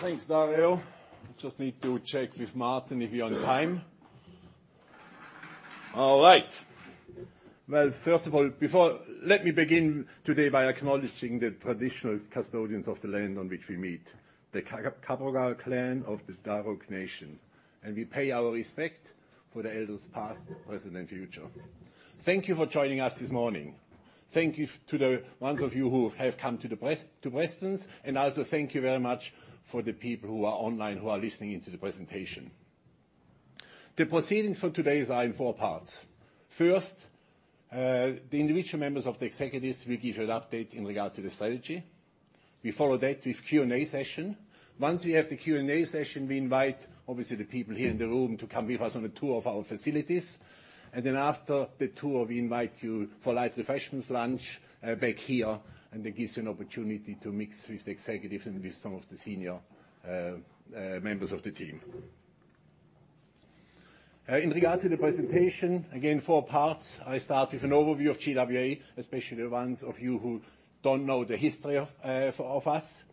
Thanks, Dario. I just need to check with Martin if we're on time. All right. Well, first of all, Let me begin today by acknowledging the traditional custodians of the land on which we meet, the Cabrogal Clan of the Dharug Nation, and we pay our respect for the elders past, present, and future. Thank you for joining us this morning. Thank you to the ones of you who have come to Prestons, and also thank you very much for the people who are online, who are listening in to the presentation. The proceedings for today are in four parts. First, the individual members of the executives will give you an update in regard to the strategy. We follow that with Q&A session. Once we have the Q&A session, we invite, obviously, the people here in the room to come with us on a tour of our facilities, and then after the tour, we invite you for light refreshments, lunch, back here, and that gives you an opportunity to mix with the executives and with some of the senior members of the team. In regard to the presentation, again, four parts. I start with an overview of GWA, especially ones of you who don't know the history of of us.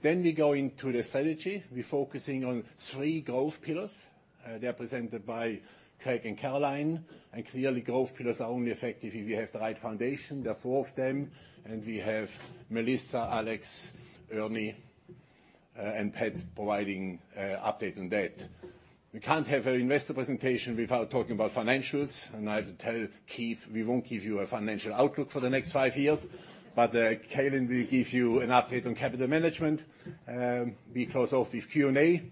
Then we go into the strategy. We're focusing on three growth pillars. They are presented by Craig and Caroline, and clearly growth pillars are only effective if you have the right foundation. There are four of them, and we have Melissa, Alex, Ernie, and Pat providing update on that. We can't have an investor presentation without talking about financials, and I have to tell Keith we won't give you a financial outlook for the next five years, but Calin will give you an update on capital management. We close off with Q&A,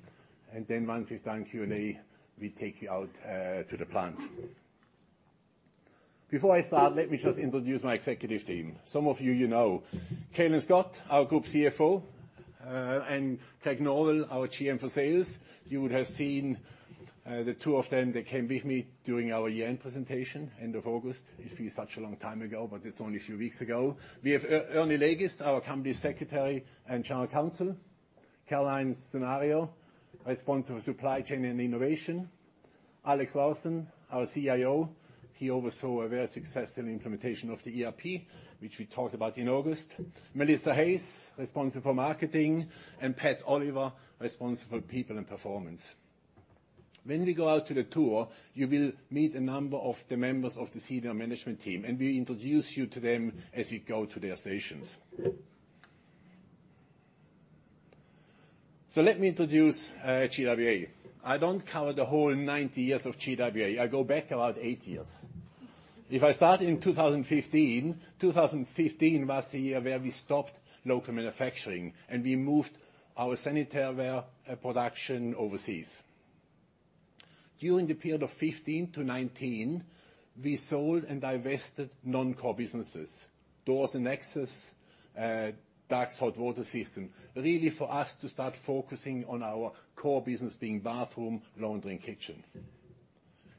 and then once we've done Q&A, we take you out to the plant. Before I start, let me just introduce my executive team. Some of you know. Calin Scott, our Group CFO, and Craig Norwell, our GM for Sales. You would have seen the two of them. They came with me during our year-end presentation, end of August. It feels such a long time ago, but it's only a few weeks ago. We have Ernie Lagis, our Company Secretary and General Counsel. Caroline Sunaryo, responsible for supply chain and innovation. Alex Larson, our CIO. He oversaw a very successful implementation of the ERP, which we talked about in August. Melissa Hayes, responsible for marketing, and Patricia Oliver, responsible for people and performance. When we go out to the tour, you will meet a number of the members of the senior management team, and we introduce you to them as we go to their stations. Let me introduce GWA. I don't cover the whole 90 years of GWA. I go back about 8 years. If I start in 2015 was the year where we stopped local manufacturing, and we moved our sanitary ware production overseas. During the period of 2015-2019, we sold and divested non-core businesses, Doors and Access, Dux Hot Water. Really for us to start focusing on our core business being bathroom, laundry, and kitchen.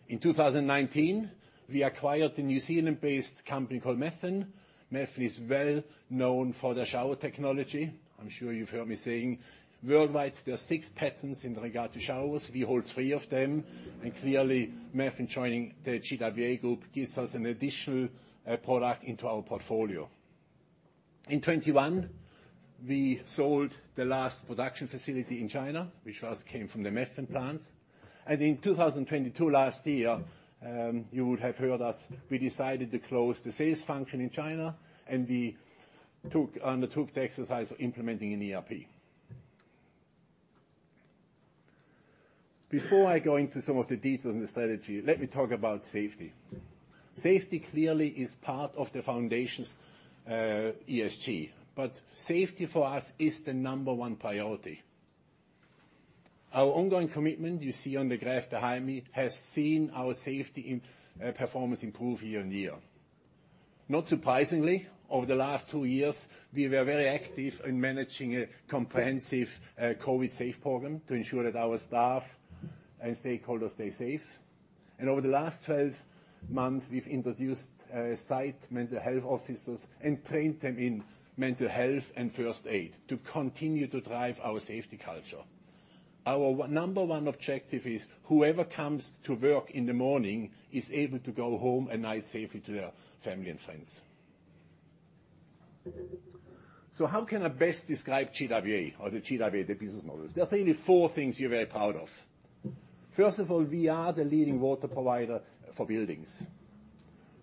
In 2019, we acquired a New Zealand-based company called Methven. Methven is well known for their shower technology. I'm sure you've heard me saying worldwide there are 6 patents in regard to showers. We hold 3 of them, and clearly Methven joining the GWA Group gives us an additional product into our portfolio. In 2021, we sold the last production facility in China, which first came from the Methven plants. In 2022 last year, you would have heard us, we decided to close the sales function in China, and we took the exercise of implementing an ERP. Before I go into some of the details in the strategy, let me talk about safety. Safety clearly is part of the foundation's ESG, but safety for us is the number one priority. Our ongoing commitment, you see on the graph behind me, has seen our safety performance improve year-on-year. Not surprisingly, over the last two years, we were very active in managing a comprehensive COVID safe program to ensure that our staff and stakeholders stay safe. Over the last 12 months, we've introduced site mental health officers and trained them in mental health and first aid to continue to drive our safety culture. Our number one objective is whoever comes to work in the morning is able to go home at night safely to their family and friends. How can I best describe GWA or the GWA, the business model? There are certainly four things we're very proud of. First of all, we are the leading water provider for buildings.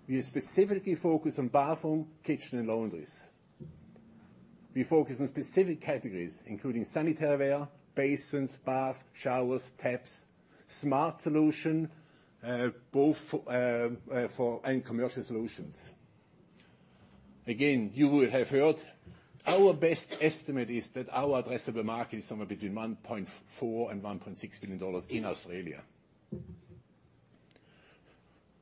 We are specifically focused on bathroom, kitchen, and laundries. We focus on specific categories, including sanitary ware, basins, baths, showers, taps, smart solution, both for and commercial solutions. Again, you will have heard our best estimate is that our addressable market is somewhere between 1.4 billion and 1.6 billion dollars in Australia.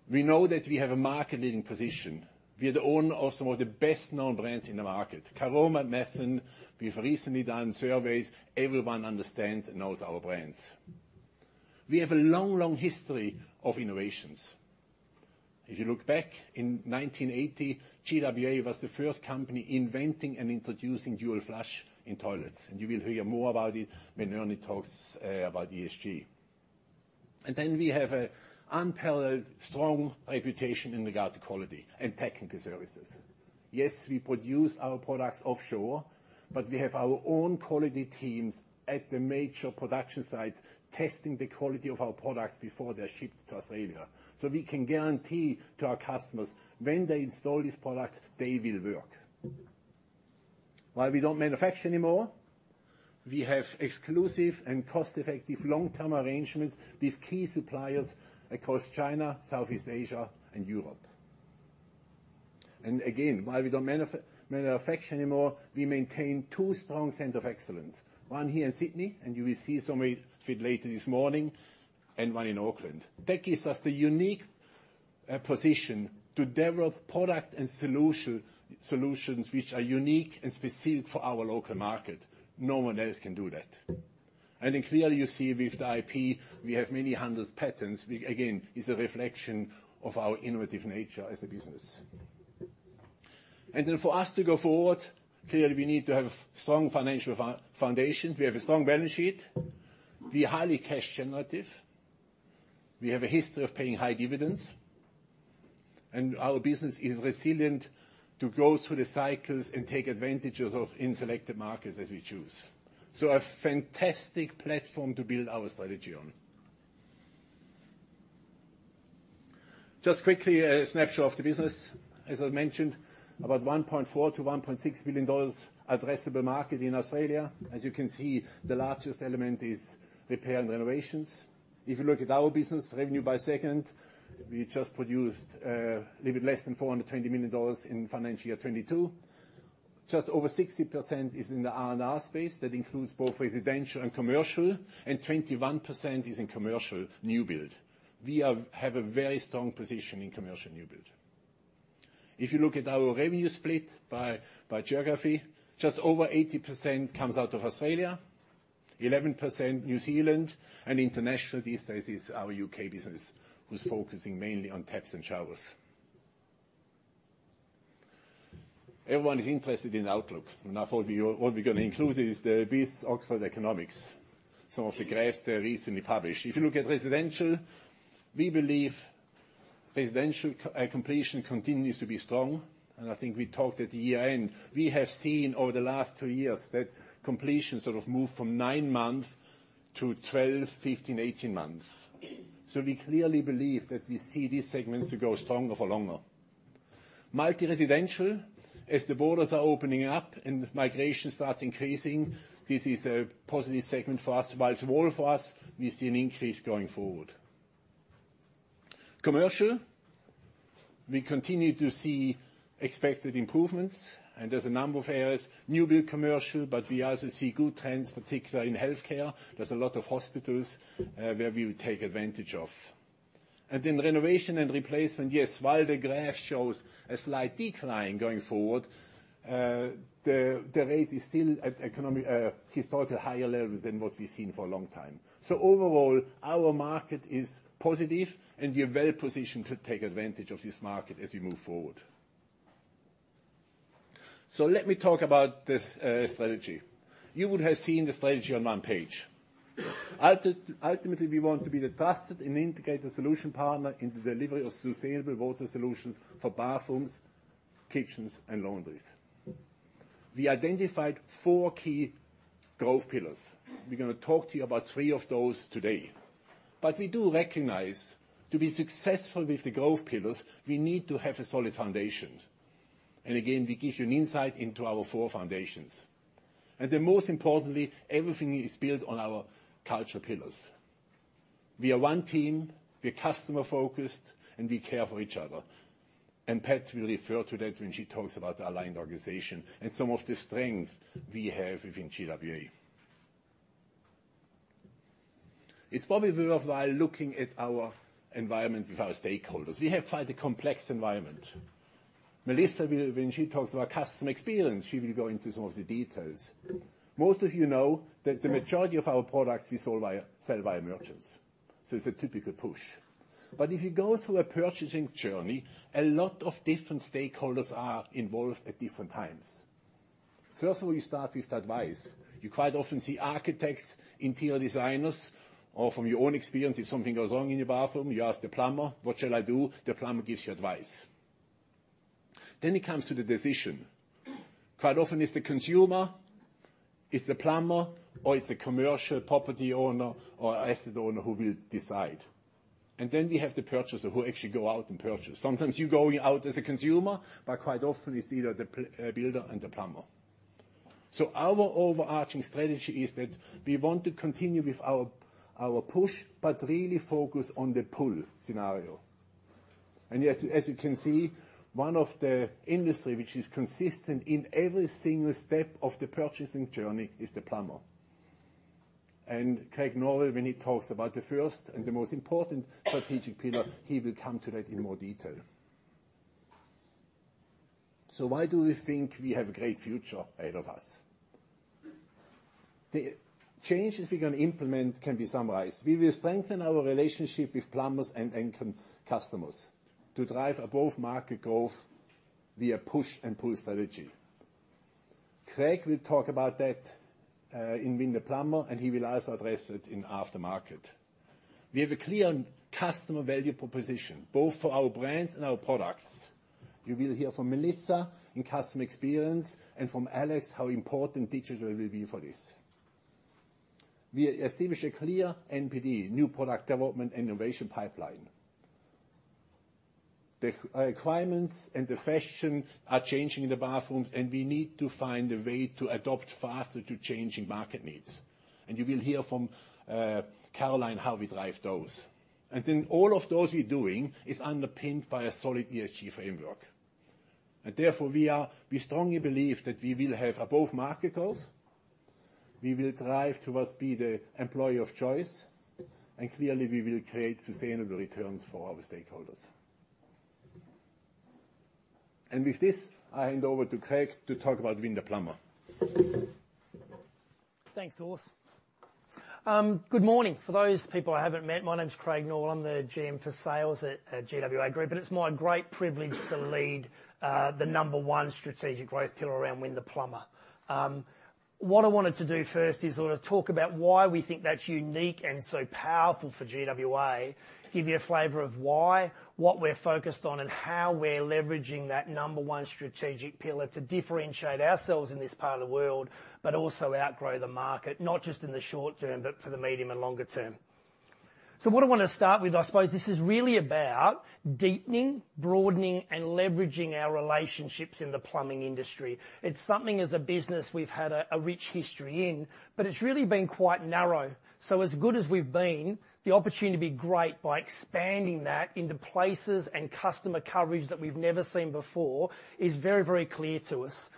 We know that we have a market leading position. We are the owner of some of the best known brands in the market. Caroma, Methven, we've recently done surveys. Everyone understands and knows our brands. We have a long history of innovations. If you look back in 1980, GWA was the first company inventing and introducing dual flush in toilets, and you will hear more about it when Ernie talks about ESG. We have an unparalleled strong reputation in regard to quality and technical services. Yes, we produce our products offshore, but we have our own quality teams at the major production sites testing the quality of our products before they're shipped to Australia. We can guarantee to our customers when they install these products, they will work. While we don't manufacture anymore, we have exclusive and cost-effective long-term arrangements with key suppliers across China, Southeast Asia and Europe. Again, while we don't manufacture anymore, we maintain two strong center of excellence. One here in Sydney, and you will see some of it later this morning, and one in Auckland. That gives us the unique position to develop product and solution, solutions which are unique and specific for our local market. No one else can do that. Then clearly you see with the IP, we have many hundred patents. We, again, it's a reflection of our innovative nature as a business. For us to go forward, clearly we need to have strong financial foundation. We have a strong balance sheet. We are highly cash generative. We have a history of paying high dividends. Our business is resilient to go through the cycles and take advantage of in selected markets as we choose. A fantastic platform to build our strategy on. Just quickly, a snapshot of the business. As I mentioned, about 1.4 billion-1.6 billion dollars addressable market in Australia. As you can see, the largest element is repair and renovations. If you look at our business revenue by segment, we just produced a little bit less than 420 million dollars in financial year 2022. Just over 60% is in the R&R space. That includes both residential and commercial, and 21% is in commercial new build. We have a very strong position in commercial new build. If you look at our revenue split by geography, just over 80% comes out of Australia, 11% New Zealand, and international these days is our U.K. business, who's focusing mainly on taps and showers. Everyone is interested in outlook. Now for you, what we're gonna include is the BIS Oxford Economics, some of the graphs they recently published. If you look at residential, we believe residential completion continues to be strong, and I think we talked at the year-end. We have seen over the last 2 years that completion sort of moved from 9 months to 12, 15, 18 months. We clearly believe that we see these segments to grow stronger for longer. Multi-residential, as the borders are opening up and migration starts increasing, this is a positive segment for us. While small for us, we see an increase going forward. Commercial, we continue to see expected improvements and there's a number of areas. New build commercial, but we also see good trends, particularly in healthcare. There's a lot of hospitals where we will take advantage of. Then renovation and replacement, yes, while the graph shows a slight decline going forward, the rate is still at an economic historically higher level than what we've seen for a long time. Overall, our market is positive, and we are well positioned to take advantage of this market as we move forward. Let me talk about the strategy. You would have seen the strategy on one page. Ultimately, we want to be the trusted and integrated solution partner in the delivery of sustainable water solutions for bathrooms, kitchens and laundries. We identified four key growth pillars. We're gonna talk to you about three of those today. We do recognize to be successful with the growth pillars, we need to have a solid foundation. Again, we give you an insight into our four foundations. Then most importantly, everything is built on our culture pillars. We are one team, we are customer-focused, and we care for each other. Pat will refer to that when she talks about the aligned organization and some of the strength we have within GWA. It's probably worthwhile looking at our environment with our stakeholders. We have quite a complex environment. Melissa will. When she talks about customer experience, she will go into some of the details. Most of you know that the majority of our products sell via merchants, so it's a typical push. If you go through a purchasing journey, a lot of different stakeholders are involved at different times. First of all, you start with advice. You quite often see architects, interior designers, or from your own experience, if something goes wrong in your bathroom, you ask the plumber, "What shall I do?" The plumber gives you advice. It comes to the decision. Quite often it's the consumer, it's the plumber, or it's a commercial property owner or asset owner who will decide. We have the purchaser who actually go out and purchase. Sometimes you're going out as a consumer, but quite often it's either the builder and the plumber. Our overarching strategy is that we want to continue with our push, but really focus on the pull scenario. As you can see, one of the industry which is consistent in every single step of the purchasing journey is the plumber. Craig Norwell, when he talks about the first and the most important strategic pillar, he will come to that in more detail. Why do we think we have a great future ahead of us? The changes we're gonna implement can be summarized. We will strengthen our relationship with plumbers and end consumers to drive above market growth via push and pull strategy. Craig will talk about that in Win the Plumber, and he will also address it in aftermarket. We have a clear customer value proposition, both for our brands and our products. You will hear from Melissa in customer experience and from Alex how important digital will be for this. We establish a clear NPD, new product development innovation pipeline. The climates and the fashion are changing in the bathrooms, and we need to find a way to adapt faster to changing market needs. You will hear from Caroline how we drive those. All of those we're doing is underpinned by a solid ESG framework. Therefore we strongly believe that we will have above-market goals, we will drive towards be the employer of choice, and clearly, we will create sustainable returns for our stakeholders. With this, I hand over to Craig to talk about Win the Plumber. Thanks, Urs. Good morning. For those people I haven't met, my name's Craig Norwell. I'm the GM for Sales at GWA Group, and it's my great privilege to lead the number one strategic growth pillar around Win the Plumber. What I wanted to do first is sort of talk about why we think that's unique and so powerful for GWA, give you a flavor of why, what we're focused on, and how we're leveraging that number one strategic pillar to differentiate ourselves in this part of the world, but also outgrow the market, not just in the short term, but for the medium and longer term. What I wanna start with, I suppose this is really about deepening, broadening, and leveraging our relationships in the plumbing industry. It's something as a business we've had a rich history in, but it's really been quite narrow. As good as we've been, the opportunity to be great by expanding that into places and customer coverage that we've never seen before is very, very clear to us.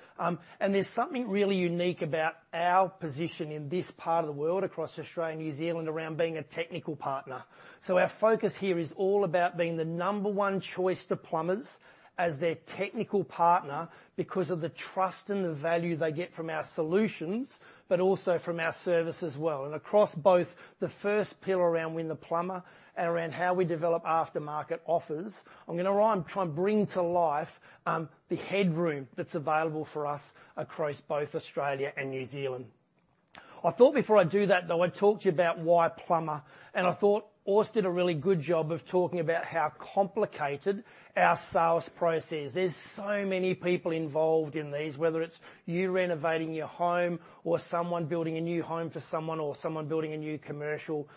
There's something really unique about our position in this part of the world across Australia and New Zealand around being a technical partner. Our focus here is all about being the number one choice to plumbers as their technical partner because of the trust and the value they get from our solutions, but also from our service as well. Across both the first pillar around Win the Plumber and around how we develop aftermarket offers, I'm gonna try and bring to life the headroom that's available for us across both Australia and New Zealand. I thought before I do that, though, I'd talk to you about why plumber, and I thought Urs did a really good job of talking about how complicated our sales process is. There's so many people involved in these, whether it's you renovating your home or someone building a new home for someone or someone building a new commercial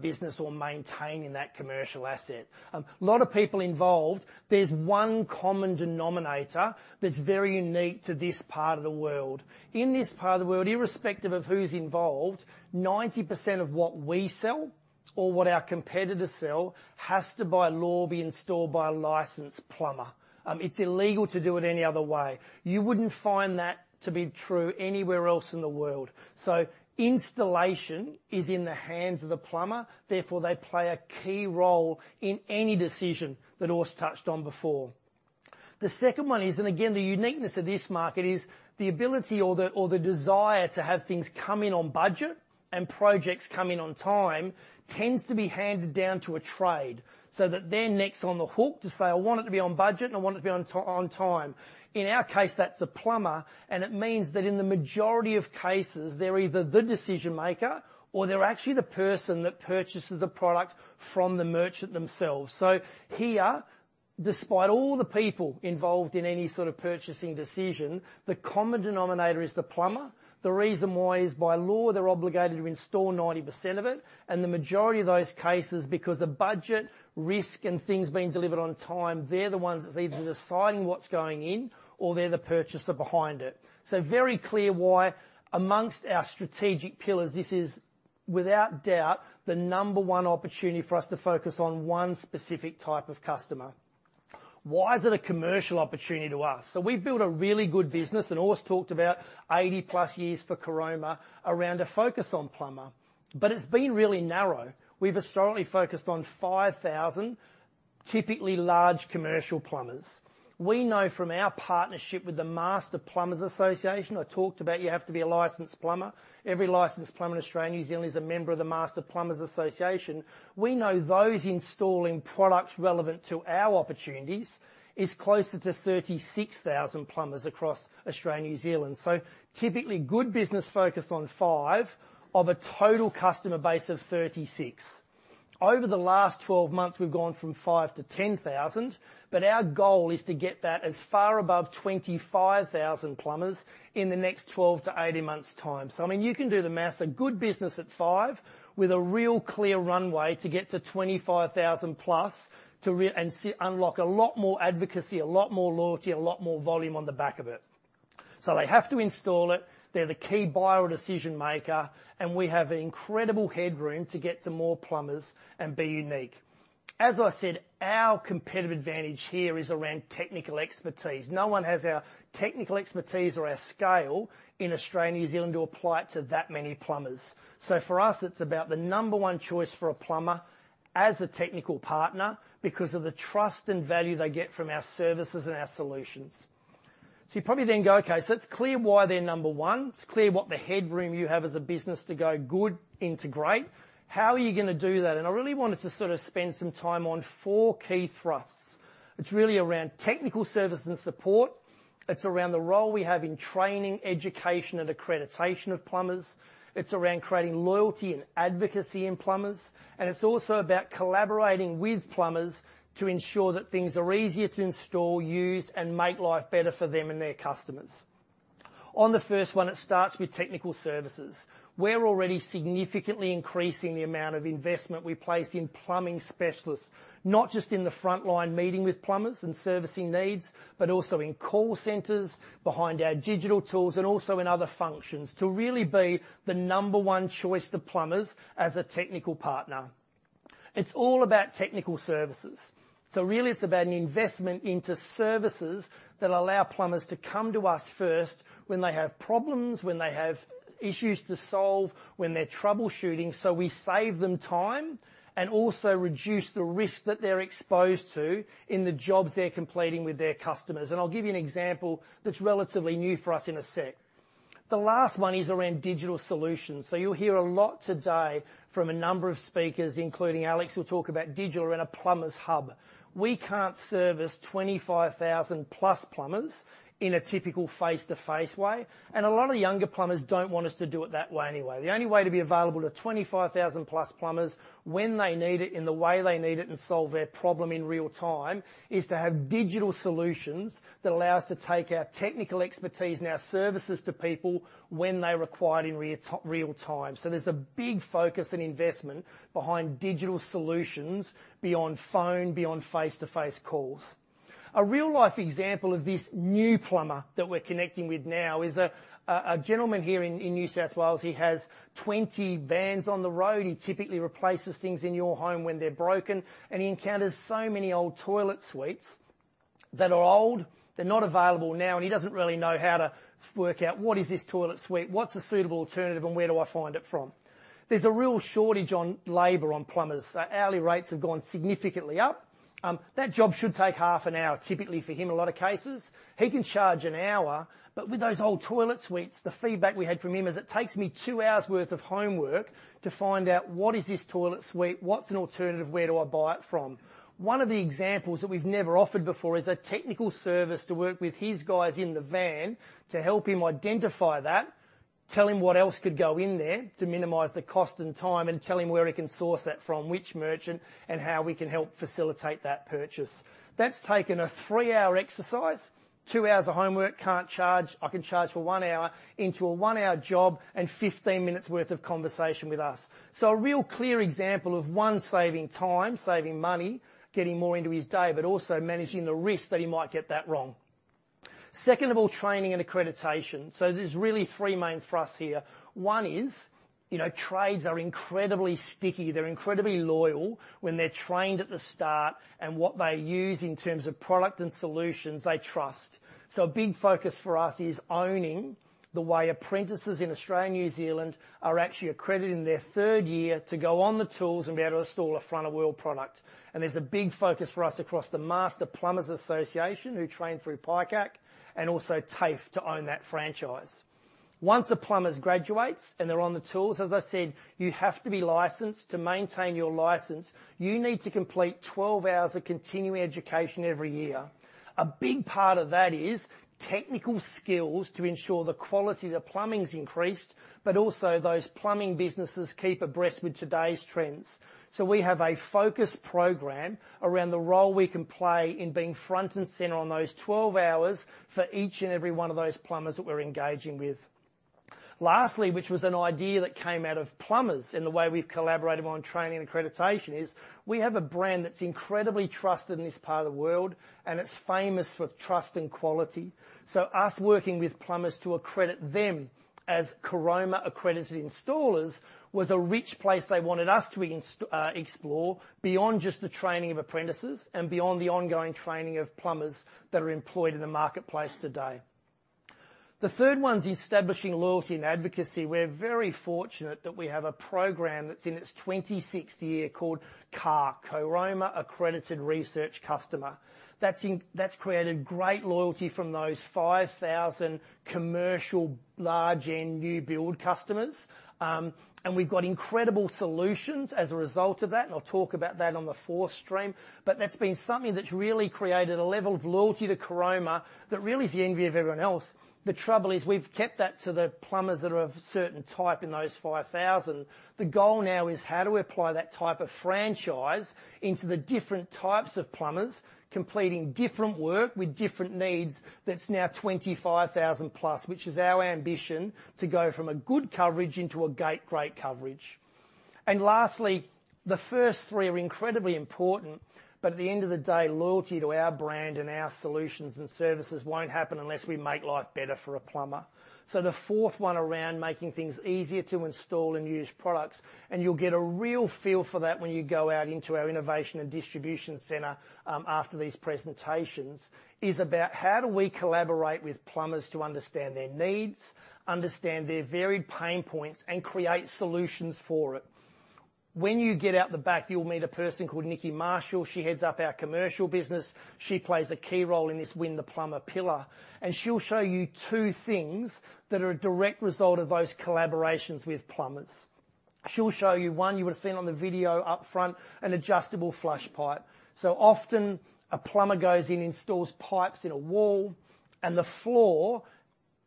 business or maintaining that commercial asset. A lot of people involved, there's one common denominator that's very unique to this part of the world. In this part of the world, irrespective of who's involved, 90% of what we sell or what our competitors sell has to, by law, be installed by a licensed plumber. It's illegal to do it any other way. You wouldn't find that to be true anywhere else in the world. Installation is in the hands of the plumber, therefore, they play a key role in any decision that Urs touched on before. The second one is, again, the uniqueness of this market is the ability or the desire to have things come in on budget and projects come in on time, tends to be handed down to a trade, so that they're next on the hook to say, "I want it to be on budget, and I want it to be on time." In our case, that's the plumber, and it means that in the majority of cases, they're either the decision-maker or they're actually the person that purchases the product from the merchant themselves. Here, despite all the people involved in any sort of purchasing decision, the common denominator is the plumber. The reason why is by law, they're obligated to install 90% of it, and the majority of those cases, because of budget, risk, and things being delivered on time, they're the ones that's either deciding what's going in or they're the purchaser behind it. Very clear why amongst our strategic pillars, this is without doubt, the number one opportunity for us to focus on one specific type of customer. Why is it a commercial opportunity to us? We've built a really good business, and Urs talked about 80+ years for Caroma around a focus on plumber. It's been really narrow. We've strongly focused on 5,000, typically large commercial plumbers. We know from our partnership with the Master Plumbers Association, I talked about you have to be a licensed plumber. Every licensed plumber in Australia and New Zealand is a member of the Master Plumbers Association. We know those installing products relevant to our opportunities is closer to 36,000 plumbers across Australia and New Zealand. Typically good business focused on 5 of a total customer base of 36. Over the last 12 months, we've gone from 5-10,000, but our goal is to get that as far above 25,000 plumbers in the next 12-18 months' time. I mean, you can do the math. A good business at 5 with a real clear runway to get to 25,000+ to unlock a lot more advocacy, a lot more loyalty, a lot more volume on the back of it. They have to install it, they're the key buyer or decision-maker, and we have incredible headroom to get to more plumbers and be unique. As I said, our competitive advantage here is around technical expertise. No one has our technical expertise or our scale in Australia and New Zealand to apply it to that many plumbers. For us, it's about the number one choice for a plumber as a technical partner because of the trust and value they get from our services and our solutions. You probably then go, "Okay, so it's clear why they're number one. It's clear what the headroom you have as a business to go good into great. How are you gonna do that?" I really wanted to sort of spend some time on four key thrusts. It's really around technical service and support. It's around the role we have in training, education, and accreditation of plumbers. It's around creating loyalty and advocacy in plumbers. It's also about collaborating with plumbers to ensure that things are easier to install, use, and make life better for them and their customers. On the first one, it starts with technical services. We're already significantly increasing the amount of investment we place in plumbing specialists, not just in the frontline meeting with plumbers and servicing needs, but also in call centers, behind our digital tools, and also in other functions to really be the number one choice to plumbers as a technical partner. It's all about technical services. Really, it's about an investment into services that allow plumbers to come to us first when they have problems, when they have issues to solve, when they're troubleshooting, so we save them time and also reduce the risk that they're exposed to in the jobs they're completing with their customers. I'll give you an example that's relatively new for us in a sec. The last one is around digital solutions. You'll hear a lot today from a number of speakers, including Alex, who'll talk about digital and a plumber's hub. We can't service 25,000+ plumbers in a typical face-to-face way, and a lot of the younger plumbers don't want us to do it that way anyway. The only way to be available to 25,000+ plumbers when they need it in the way they need it and solve their problem in real-time is to have digital solutions that allow us to take our technical expertise and our services to people when they're required in real-time. There's a big focus on investment behind digital solutions beyond phone, beyond face-to-face calls. A real-life example of this new plumber that we're connecting with now is a gentleman here in New South Wales. He has 20 vans on the road. He typically replaces things in your home when they're broken, and he encounters so many old toilet suites that are old. They're not available now, and he doesn't really know how to work out what is this toilet suite? What's a suitable alternative, and where do I find it from? There's a real shortage on labor on plumbers. Hourly rates have gone significantly up. That job should take half an hour, typically for him, a lot of cases. He can charge an hour. With those old toilet suites, the feedback we had from him is it takes me two hours worth of homework to find out what is this toilet suite? What's an alternative? Where do I buy it from? One of the examples that we've never offered before is a technical service to work with his guys in the van to help him identify that, tell him what else could go in there to minimize the cost and time, and tell him where he can source that from, which merchant, and how we can help facilitate that purchase. That's taken a 3-hour exercise, 2 hours of homework, can't charge—I can charge for 1 hour into a 1-hour job and 15 minutes worth of conversation with us. A real clear example of one, saving time, saving money, getting more into his day, but also managing the risk that he might get that wrong. Second of all, training and accreditation. There's really three main for us here. One is, you know, trades are incredibly sticky. They're incredibly loyal when they're trained at the start and what they use in terms of product and solutions they trust. A big focus for us is owning the way apprentices in Australia and New Zealand are actually accrediting their third year to go on the tools and be able to install a front-of-wall product. There's a big focus for us across the Master Plumbers Association who train through PICAC and also TAFE to own that franchise. Once a plumber graduates and they're on the tools, as I said, you have to be licensed. To maintain your license, you need to complete 12 hours of continuing education every year. A big part of that is technical skills to ensure the quality of the plumbing is increased, but also those plumbing businesses keep abreast with today's trends. We have a focused program around the role we can play in being front and center on those 12 hours for each and every one of those plumbers that we're engaging with. Lastly, which was an idea that came out of plumbers in the way we've collaborated on training and accreditation, is we have a brand that's incredibly trusted in this part of the world, and it's famous for trust and quality. Us working with plumbers to accredit them as Caroma Accredited installers was a rich place they wanted us to explore beyond just the training of apprentices and beyond the ongoing training of plumbers that are employed in the marketplace today. The third one is establishing loyalty and advocacy. We're very fortunate that we have a program that's in its 26th year called CARC, Caroma Accredited Research Customer. That's created great loyalty from those 5,000 commercial large end new build customers. And we've got incredible solutions as a result of that, and I'll talk about that on the fourth stream. That's been something that's really created a level of loyalty to Caroma that really is the envy of everyone else. The trouble is we've kept that to the plumbers that are of a certain type in those 5,000. The goal now is how do we apply that type of franchise into the different types of plumbers completing different work with different needs that's now 25,000 plus, which is our ambition to go from a good coverage into a great coverage. Lastly, the first three are incredibly important, but at the end of the day, loyalty to our brand and our solutions and services won't happen unless we make life better for a plumber. The fourth one around making things easier to install and use products, and you'll get a real feel for that when you go out into our innovation and distribution center, after these presentations, is about how do we collaborate with plumbers to understand their needs, understand their varied pain points, and create solutions for it. When you get out the back, you'll meet a person called Nikki Marshall. She heads up our commercial business. She plays a key role in this Win the Plumber pillar, and she'll show you two things that are a direct result of those collaborations with plumbers. She'll show you one you would've seen on the video up front, an adjustable flush pipe. Often, a plumber goes in, installs pipes in a wall, and the floor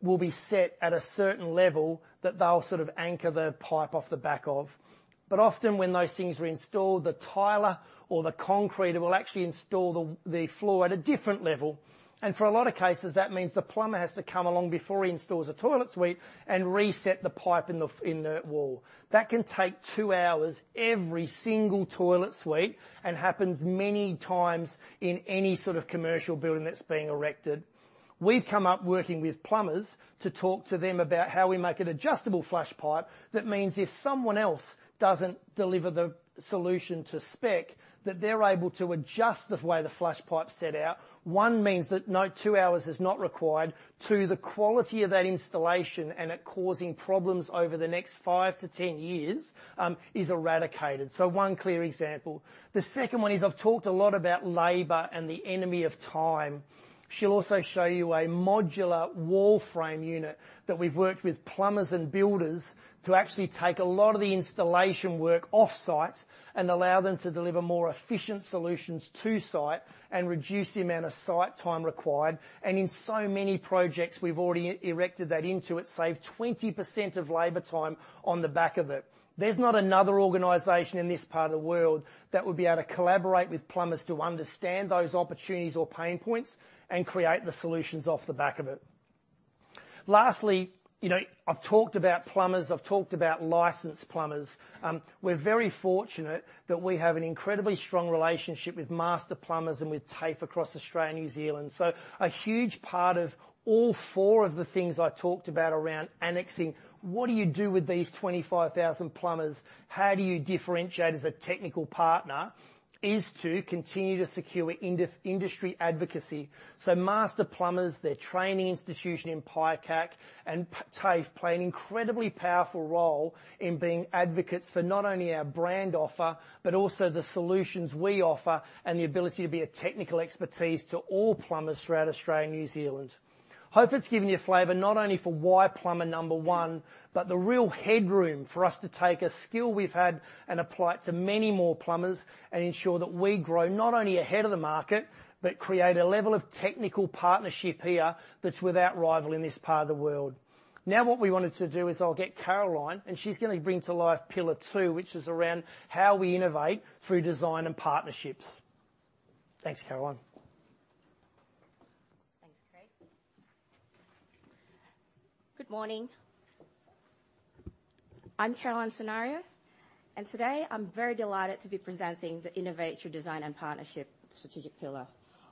will be set at a certain level that they'll sort of anchor the pipe off the back of. Often when those things are installed, the tiler or the concreter will actually install the floor at a different level. For a lot of cases, that means the plumber has to come along before he installs a toilet suite and reset the pipe in the wall. That can take 2 hours every single toilet suite, and happens many times in any sort of commercial building that's being erected. We've come up working with plumbers to talk to them about how we make an adjustable flush pipe that means if someone else doesn't deliver the solution to spec, that they're able to adjust the way the flush pipe's set out. One means that no 2 hours is not required. Two, the quality of that installation and it causing problems over the next 5-10 years is eradicated. One clear example. The second one is I've talked a lot about labor and the enemy of time. She'll also show you a modular wall frame unit that we've worked with plumbers and builders to actually take a lot of the installation work off-site and allow them to deliver more efficient solutions to site and reduce the amount of site time required. In so many projects, we've already integrated that into it, saved 20% of labor time on the back of it. There's not another organization in this part of the world that would be able to collaborate with plumbers to understand those opportunities or pain points and create the solutions off the back of it. Lastly, you know, I've talked about plumbers, I've talked about licensed plumbers. We're very fortunate that we have an incredibly strong relationship with Master Plumbers and with TAFE across Australia and New Zealand. A huge part of all four of the things I talked about around engaging, what do you do with these 25,000 plumbers? How do you differentiate as a technical partner, is to continue to secure industry advocacy. Master Plumbers, their training institution is PICAC, and TAFE play an incredibly powerful role in being advocates for not only our brand offer, but also the solutions we offer, and the ability to be a technical expertise to all plumbers throughout Australia and New Zealand. Hope it's given you a flavor not only for why plumber number one, but the real headroom for us to take a skill we've had and apply it to many more plumbers and ensure that we grow not only ahead of the market, but create a level of technical partnership here that's without rival in this part of the world. Now, what we wanted to do is I'll get Caroline, and she's gonna bring to life pillar two, which is around how we innovate through design and partnerships. Thanks, Caroline. Thanks, Craig. Good morning. I'm Caroline Sunaryo, and today I'm very delighted to be presenting the innovate through design and partnership strategic pillar,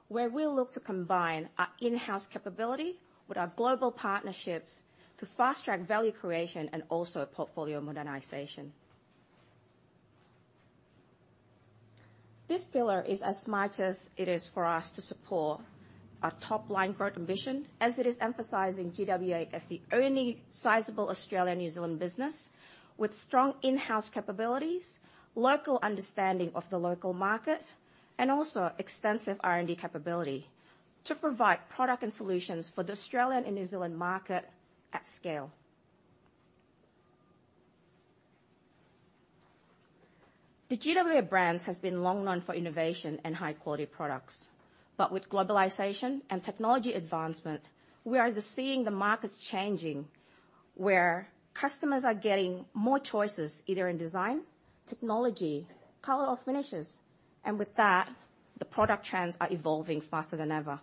where we'll look to combine our in-house capability with our global partnerships to fast-track value creation and also portfolio modernization. This pillar is as much as it is for us to support our top-line growth ambition as it is emphasizing GWA as the only sizable Australian and New Zealand business with strong in-house capabilities, local understanding of the local market, and also extensive R&D capability to provide products and solutions for the Australian and New Zealand market at scale. The GWA brands has been long known for innovation and high-quality products. With globalization and technology advancement, we are seeing the markets changing, where customers are getting more choices, either in design, technology, color, or finishes. With that, the product trends are evolving faster than ever.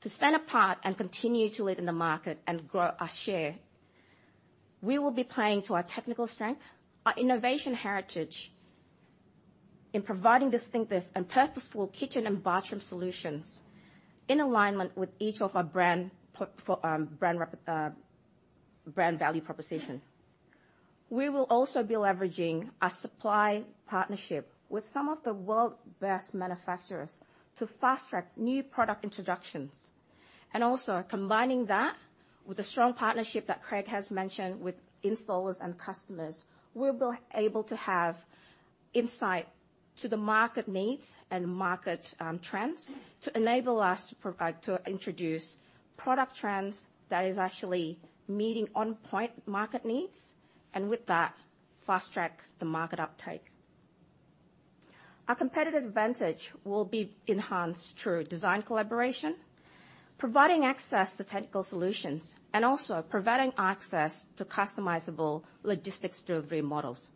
To stand apart and continue to lead in the market and grow our share, we will be playing to our technical strength, our innovation heritage in providing distinctive and purposeful kitchen and bathroom solutions in alignment with each of our brand value proposition. We will also be leveraging our supply partnership with some of the world's best manufacturers to fast-track new product introductions. Also combining that with the strong partnership that Craig has mentioned with installers and customers, we'll be able to have insight to the market needs and market trends to enable us to introduce product trends that is actually meeting on-point market needs, and with that, fast-track the market uptake. Our competitive advantage will be enhanced through design collaboration, providing access to technical solutions, and also providing access to customizable logistics delivery models.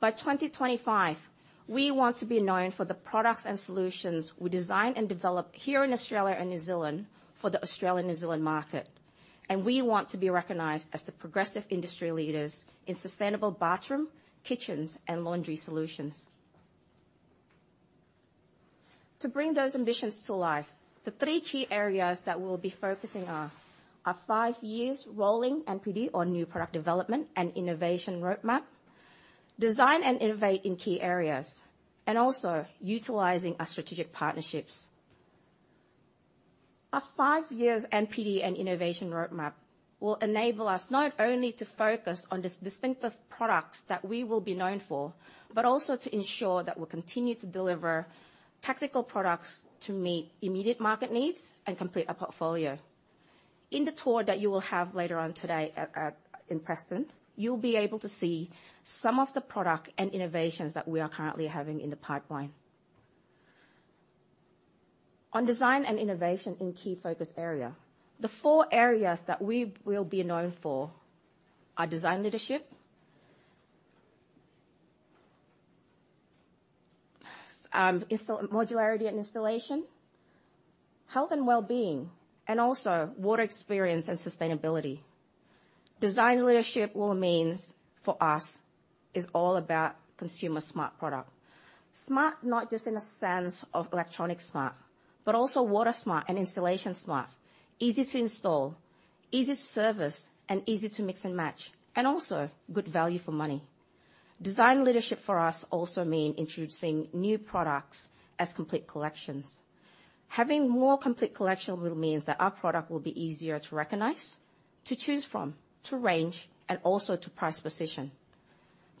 By 2025, we want to be known for the products and solutions we design and develop here in Australia and New Zealand for the Australia and New Zealand market. We want to be recognized as the progressive industry leaders in sustainable bathroom, kitchens, and laundry solutions. To bring those ambitions to life, the three key areas that we'll be focusing on are five years rolling NPD or New Product Development and innovation roadmap, design and innovate in key areas, and also utilizing our strategic partnerships. Our five years NPD and innovation roadmap will enable us not only to focus on distinctive products that we will be known for, but also to ensure that we'll continue to deliver tactical products to meet immediate market needs and complete our portfolio. In the tour that you will have later on today at in Prestons, you'll be able to see some of the product and innovations that we are currently having in the pipeline. On design and innovation in key focus area, the four areas that we will be known for are design leadership, modularity and installation, health and wellbeing, and also water experience and sustainability. Design leadership will means for us is all about consumer smart product. Smart not just in a sense of electronic smart, but also water smart and installation smart. Easy to install, easy to service, and easy to mix and match, and also good value for money. Design leadership for us also mean introducing new products as complete collections. Having more complete collection will means that our product will be easier to recognize, to choose from, to range, and also to price position.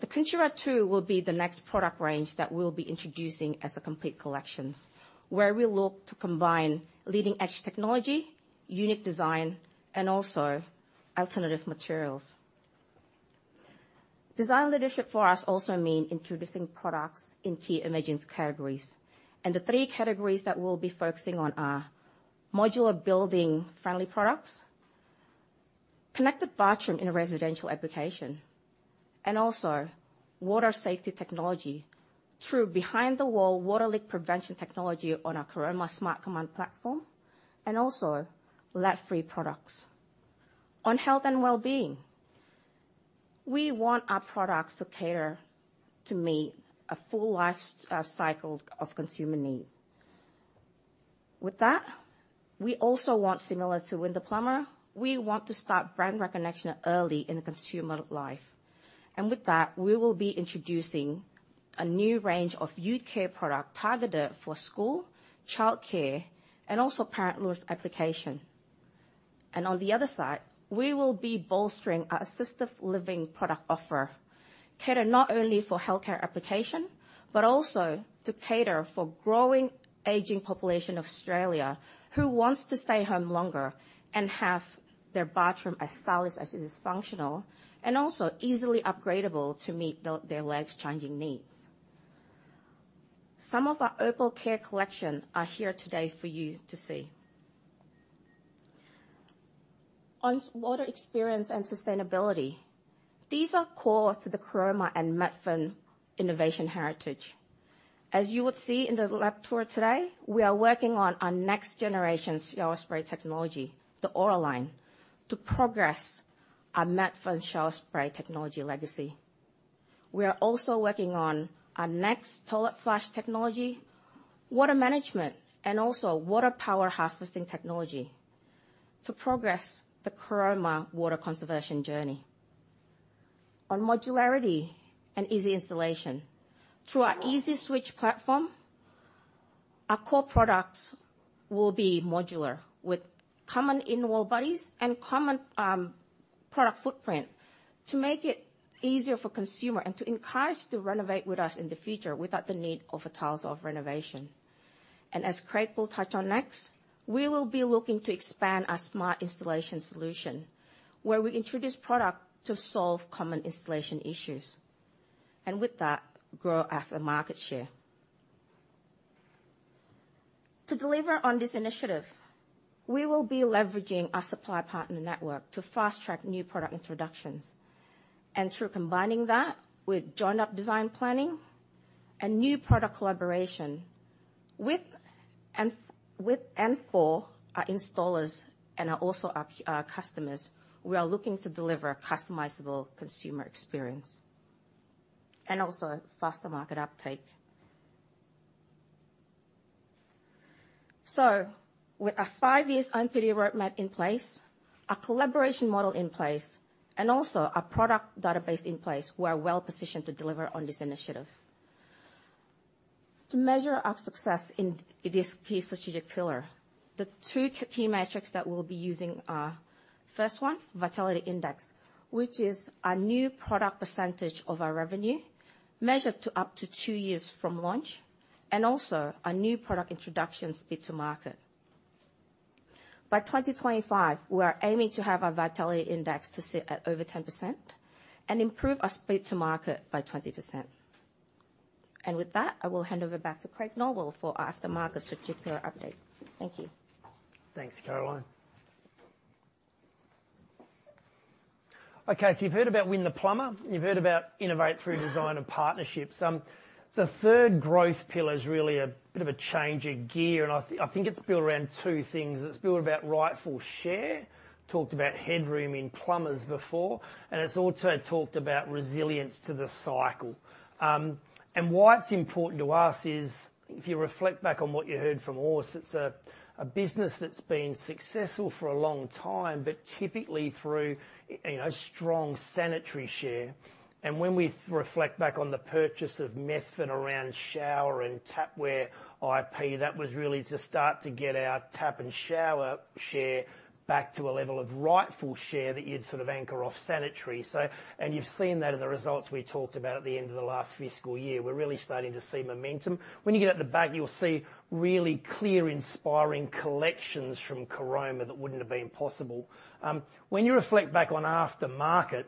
The Contura II will be the next product range that we'll be introducing as a complete collections, where we look to combine leading-edge technology, unique design, and also alternative materials. Design leadership for us also mean introducing products in key emerging categories. The three categories that we'll be focusing on are modular building-friendly products, connected bathroom in a residential application, and also water safety technology through behind the wall water leak prevention technology on our Caroma Smart Command platform, and also lead-free products. On health and well-being, we want our products to cater to meet a full life cycle of consumer needs. With that, we also want, similar to Win the Plumber, we want to start brand recognition early in the consumer life. With that, we will be introducing a new range of youth care product targeted for school, childcare, and also parent room application. On the other side, we will be bolstering our assistive living product offer, cater not only for healthcare application, but also to cater for growing aging population of Australia who wants to stay home longer and have their bathroom as stylish as it is functional, and also easily upgradable to meet their life's changing needs. Some of our Opal collection are here today for you to see. On water experience and sustainability, these are core to the Caroma and Methven innovation heritage. As you would see in the lab tour today, we are working on our next generation shower spray technology, the Auraline, to progress our Methven shower spray technology legacy. We are also working on our next toilet flush technology, water management, and also water power harvesting technology to progress the Caroma water conservation journey. On modularity and easy installation, through our Easy-Switch platform, our core products will be modular with common in-wall bodies and common product footprint to make it easier for consumer and to encourage to renovate with us in the future without the need of a tiles off renovation. As Craig will touch on next, we will be looking to expand our smart installation solution, where we introduce product to solve common installation issues, and with that, grow after market share. To deliver on this initiative, we will be leveraging our supply partner network to fast-track new product introductions. Through combining that with joined up design planning and new product collaboration with and for our installers and also our customers, we are looking to deliver a customizable consumer experience, and also faster market uptake. With our five years R&D roadmap in place, our collaboration model in place, and also our product database in place, we are well-positioned to deliver on this initiative. To measure our success in this key strategic pillar, the two key metrics that we'll be using are, first one, vitality index, which is a new product percentage of our revenue measured up to two years from launch, and also a new product introduction speed to market. By 2025, we are aiming to have our vitality index to sit at over 10% and improve our speed to market by 20%. With that, I will hand over back to Craig Norwell for aftermarket strategic pillar update. Thank you. Thanks, Caroline. Okay, you've heard about Win the Plumber, you've heard about innovate through design and partnerships. The third growth pillar is really a bit of a change of gear, and I think it's built around two things. It's built about rightful share. Talked about headroom in plumbers before, and it's also talked about resilience to the cycle. Why it's important to us is, if you reflect back on what you heard from Urs, it's a business that's been successful for a long time, but typically through, you know, strong sanitary share. When we reflect back on the purchase of Methven around shower and tapware IP, that was really to start to get our tap and shower share back to a level of rightful share that you'd sort of anchor off sanitary. You've seen that in the results we talked about at the end of the last fiscal year. We're really starting to see momentum. When you get out the back, you'll see really clear, inspiring collections from Caroma that wouldn't have been possible. When you reflect back on aftermarket,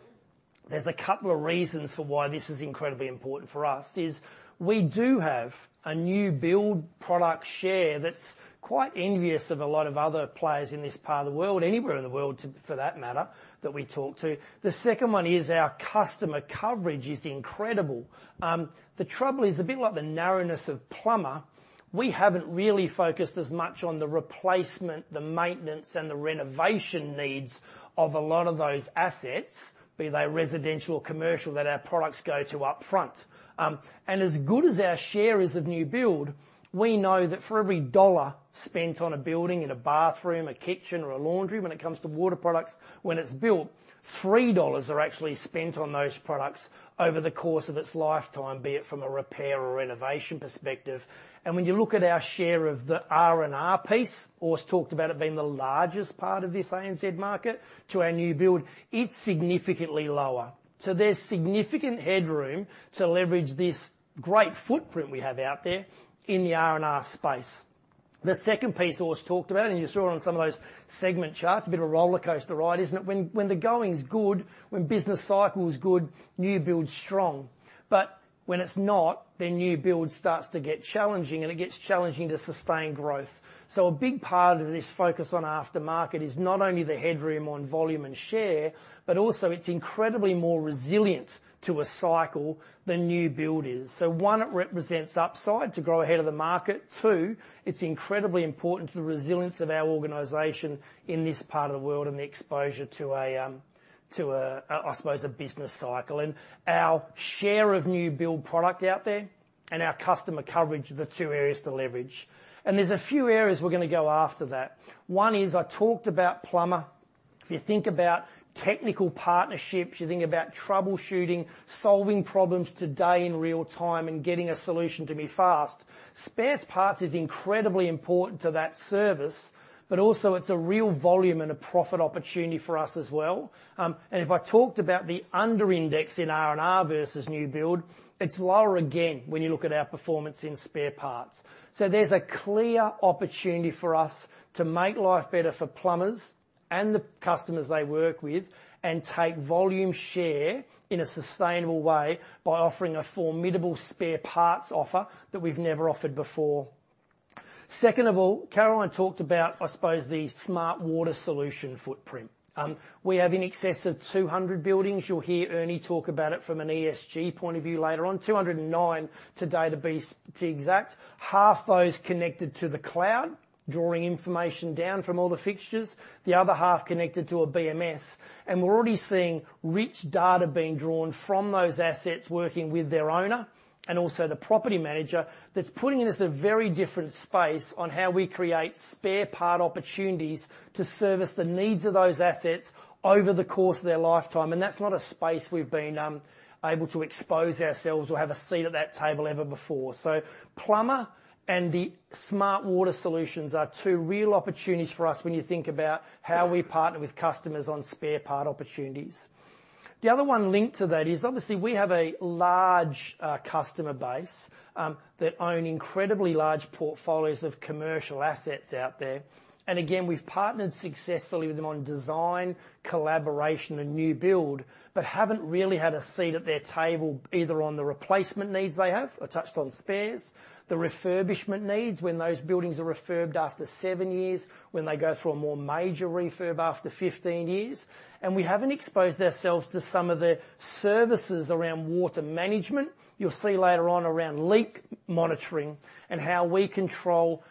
there's a couple of reasons for why this is incredibly important for us, is we do have a new build product share that's quite envious of a lot of other players in this part of the world, anywhere in the world for that matter, that we talk to. The second one is our customer coverage is incredible. The trouble is a bit like the narrowness of plumber. We haven't really focused as much on the replacement, the maintenance, and the renovation needs of a lot of those assets, be they residential, commercial, that our products go to upfront. As good as our share is of new build, we know that for every dollar spent on a building, in a bathroom, a kitchen, or a laundry, when it comes to water products, when it's built, three dollars are actually spent on those products over the course of its lifetime, be it from a repair or renovation perspective. When you look at our share of the R&R piece, Urs talked about it being the largest part of this ANZ market to our new build, it's significantly lower. There's significant headroom to leverage this great footprint we have out there in the R&R space. The second piece Urs talked about, and you saw on some of those segment charts, a bit of a rollercoaster ride, isn't it? When the going's good, when business cycle is good, new build's strong, but when it's not, then new build starts to get challenging, and it gets challenging to sustain growth. A big part of this focus on aftermarket is not only the headroom on volume and share, but also it's incredibly more resilient to a cycle than new build is. One, it represents upside to grow ahead of the market. Two, it's incredibly important to the resilience of our organization in this part of the world and the exposure to a, I suppose, a business cycle. Our share of new build product out there and our customer coverage are the two areas to leverage. There's a few areas we're gonna go after that. One is I talked about plumber. If you think about technical partnerships, you think about troubleshooting, solving problems today in real-time, and getting a solution to me fast. Spare parts is incredibly important to that service, but also it's a real volume and a profit opportunity for us as well. If I talked about the under-index in R&R versus new build, it's lower again when you look at our performance in spare parts. There's a clear opportunity for us to make life better for plumbers and the customers they work with and take volume share in a sustainable way by offering a formidable spare parts offer that we've never offered before. Second of all, Caroline talked about, I suppose, the smart water solution footprint. We have in excess of 200 buildings. You'll hear Ernie talk about it from an ESG point of view later on. 209 to date, to be exact. Half those connected to the cloud, drawing information down from all the fixtures, the other half connected to a BMS. We're already seeing rich data being drawn from those assets working with their owner and also the property manager that's putting us in a very different space on how we create spare part opportunities to service the needs of those assets over the course of their lifetime, and that's not a space we've been able to expose ourselves or have a seat at that table ever before. Plumber and the smart water solutions are two real opportunities for us when you think about how we partner with customers on spare part opportunities. The other one linked to that is, obviously, we have a large customer base that owns incredibly large portfolios of commercial assets out there. We've partnered successfully with them on design, collaboration, and new build, but haven't really had a seat at their table, either on the replacement needs they have. I touched on spares. The refurbishment needs when those buildings are refurbed after seven years, when they go through a more major refurb after 15 years. We haven't exposed ourselves to some of the services around water management. You'll see later on around leak monitoring and how we control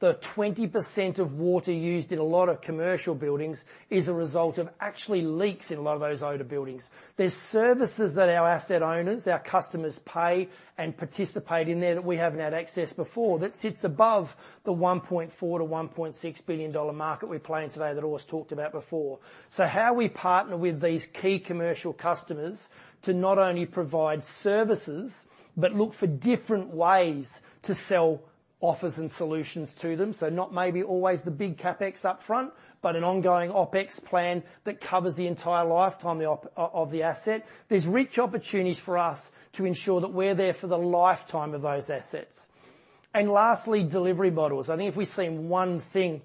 the 20% of water used in a lot of commercial buildings is a result of actually leaks in a lot of those older buildings. There's services that our asset owners, our customers pay and participate in there that we haven't had access before that sits above the 1.4 billion-1.6 billion dollar market we play in today that Urs talked about before. How we partner with these key commercial customers to not only provide services, but look for different ways to sell offers and solutions to them. Not maybe always the big CapEx up front, but an ongoing OpEx plan that covers the entire lifetime, of the asset. There's rich opportunities for us to ensure that we're there for the lifetime of those assets. Lastly, delivery models. I think if we've seen one thing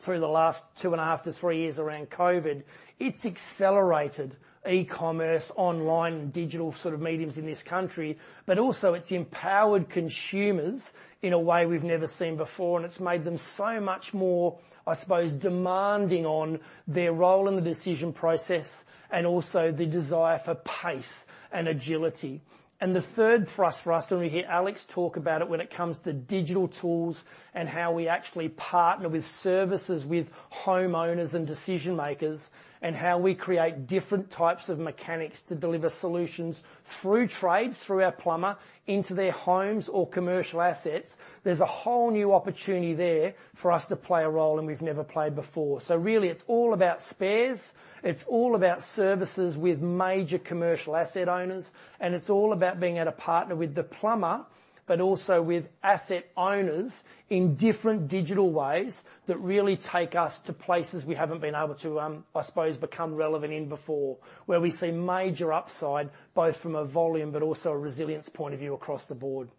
through the last 2.5-3 years around COVID, it's accelerated e-commerce, online, digital sort of mediums in this country, but also it's empowered consumers in a way we've never seen before, and it's made them so much more, I suppose, demanding on their role in the decision process and also the desire for pace and agility. The third thrust for us, and we hear Alex talk about it when it comes to digital tools and how we actually partner with services with homeowners and decision-makers, and how we create different types of mechanics to deliver solutions through trades, through our plumber, into their homes or commercial assets, there's a whole new opportunity there for us to play a role, and we've never played before. Really, it's all about spares, it's all about services with major commercial asset owners, and it's all about being a partner with the plumber, but also with asset owners in different digital ways that really take us to places we haven't been able to, I suppose, become relevant in before, where we see major upside, both from a volume but also a resilience point of view across the board.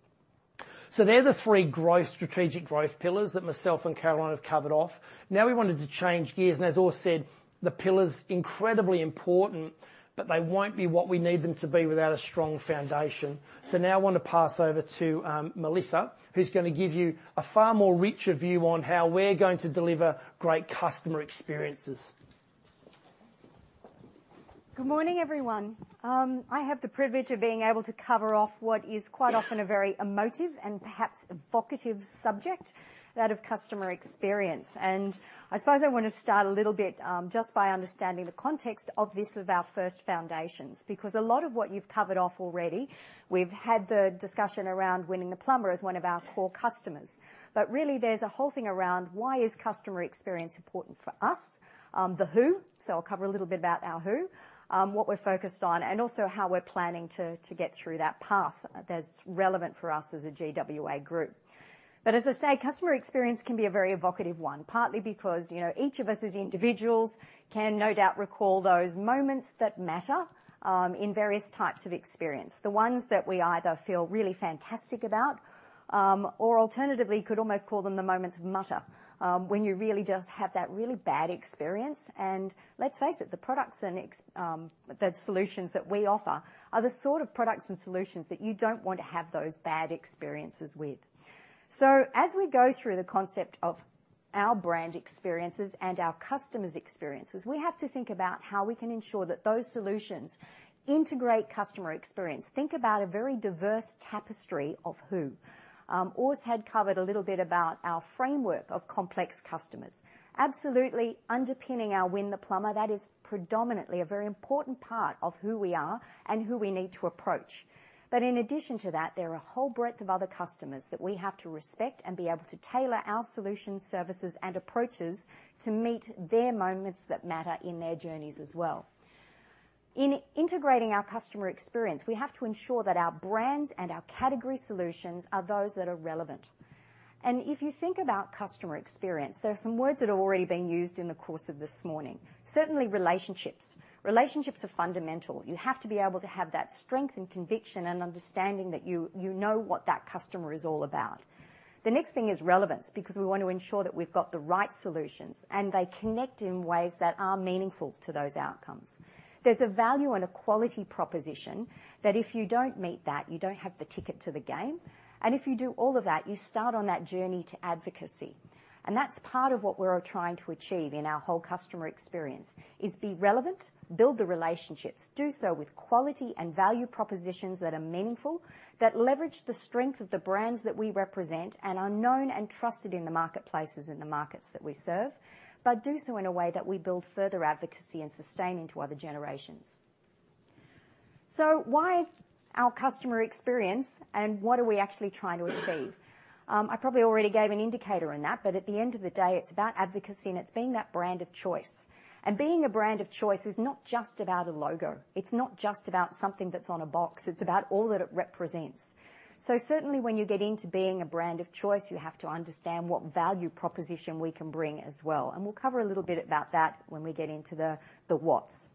They're the three strategic growth pillars that myself and Caroline have covered off. Now we wanted to change gears, and as Urs said, the pillars, incredibly important, but they won't be what we need them to be without a strong foundation. Now I wanna pass over to Melissa, who's gonna give you a far more richer view on how we're going to deliver great customer experiences. Good morning, everyone. I have the privilege of being able to cover off what is quite often a very emotive and perhaps evocative subject, that of customer experience. I suppose I wanna start a little bit, just by understanding the context of this, of our first foundations, because a lot of what you've covered off already, we've had the discussion around winning the plumber as one of our core customers. Really there's a whole thing around why is customer experience important for us? The who. I'll cover a little bit about our who, what we're focused on and also how we're planning to get through that path that's relevant for us as a GWA Group. As I say, customer experience can be a very evocative one, partly because, you know, each of us as individuals can no doubt recall those moments that matter in various types of experience. The ones that we either feel really fantastic about or alternatively could almost call them the moments of mutter. When you really just have that really bad experience, and let's face it, the products and the solutions that we offer are the sort of products and solutions that you don't want to have those bad experiences with. As we go through the concept of our brand experiences and our customers' experiences, we have to think about how we can ensure that those solutions integrate customer experience. Think about a very diverse tapestry of who. Urs had covered a little bit about our framework of complex customers. Absolutely underpinning our win the plumber, that is predominantly a very important part of who we are and who we need to approach. In addition to that, there are a whole breadth of other customers that we have to respect and be able to tailor our solutions, services, and approaches to meet their moments that matter in their journeys as well. In integrating our customer experience, we have to ensure that our brands and our category solutions are those that are relevant. If you think about customer experience, there are some words that have already been used in the course of this morning. Certainly relationships. Relationships are fundamental. You have to be able to have that strength and conviction and understanding that you know what that customer is all about. The next thing is relevance, because we want to ensure that we've got the right solutions and they connect in ways that are meaningful to those outcomes. There's a value and a quality proposition that if you don't meet that, you don't have the ticket to the game. If you do all of that, you start on that journey to advocacy. That's part of what we're trying to achieve in our whole customer experience, is be relevant, build the relationships, do so with quality and value propositions that are meaningful, that leverage the strength of the brands that we represent and are known and trusted in the marketplaces and the markets that we serve, but do so in a way that we build further advocacy and sustain into other generations. Why our customer experience and what are we actually trying to achieve? I probably already gave an indicator on that, but at the end of the day, it's about advocacy, and it's being that brand of choice. Being a brand of choice is not just about a logo. It's not just about something that's on a box. It's about all that it represents. Certainly when you get into being a brand of choice, you have to understand what value proposition we can bring as well. We'll cover a little bit about that when we get into the what's.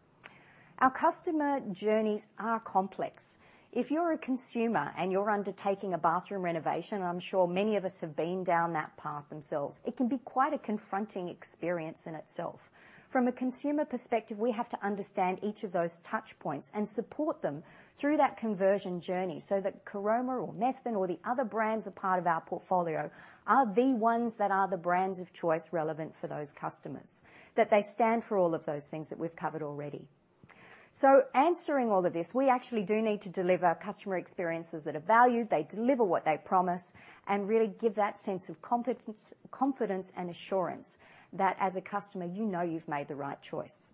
Our customer journeys are complex. If you're a consumer and you're undertaking a bathroom renovation, I'm sure many of us have been down that path themselves, it can be quite a confronting experience in itself. From a consumer perspective, we have to understand each of those touch points and support them through that conversion journey so that Caroma or Methven or the other brands are part of our portfolio are the ones that are the brands of choice relevant for those customers, that they stand for all of those things that we've covered already. Answering all of this, we actually do need to deliver customer experiences that are valued, they deliver what they promise, and really give that sense of confidence and assurance that as a customer, you know you've made the right choice.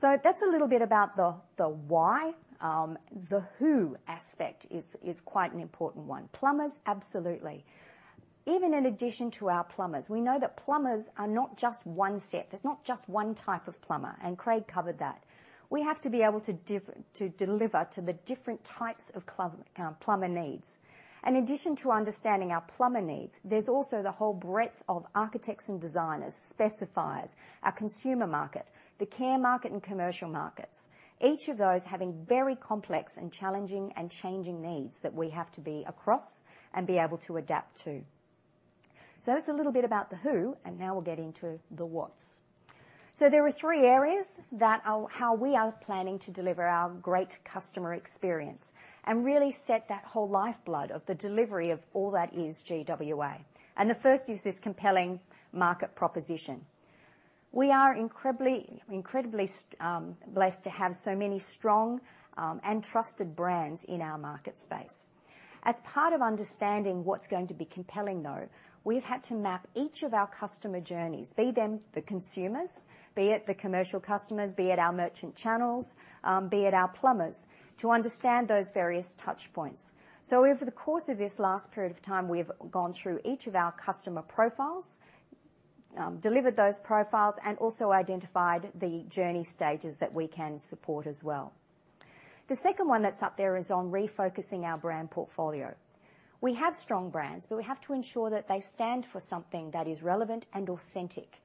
That's a little bit about the why. The who aspect is quite an important one. Plumbers, absolutely. Even in addition to our plumbers, we know that plumbers are not just one set. There's not just one type of plumber, and Craig covered that. We have to be able to to deliver to the different types of club plumber needs. In addition to understanding our plumber needs, there's also the whole breadth of architects and designers, specifiers, our consumer market, the care market, and commercial markets, each of those having very complex and challenging and changing needs that we have to be across and be able to adapt to. That's a little bit about the who, and now we'll get into the what's. There are three areas that are how we are planning to deliver our great customer experience and really set that whole lifeblood of the delivery of all that is GWA. The first is this compelling market proposition. We are incredibly blessed to have so many strong and trusted brands in our market space. As part of understanding what's going to be compelling, though, we've had to map each of our customer journeys, be them the consumers, be it the commercial customers, be it our merchant channels, be it our plumbers, to understand those various touch points. Over the course of this last period of time, we've gone through each of our customer profiles, delivered those profiles, and also identified the journey stages that we can support as well. The second one that's up there is on refocusing our brand portfolio. We have strong brands, but we have to ensure that they stand for something that is relevant and authentic.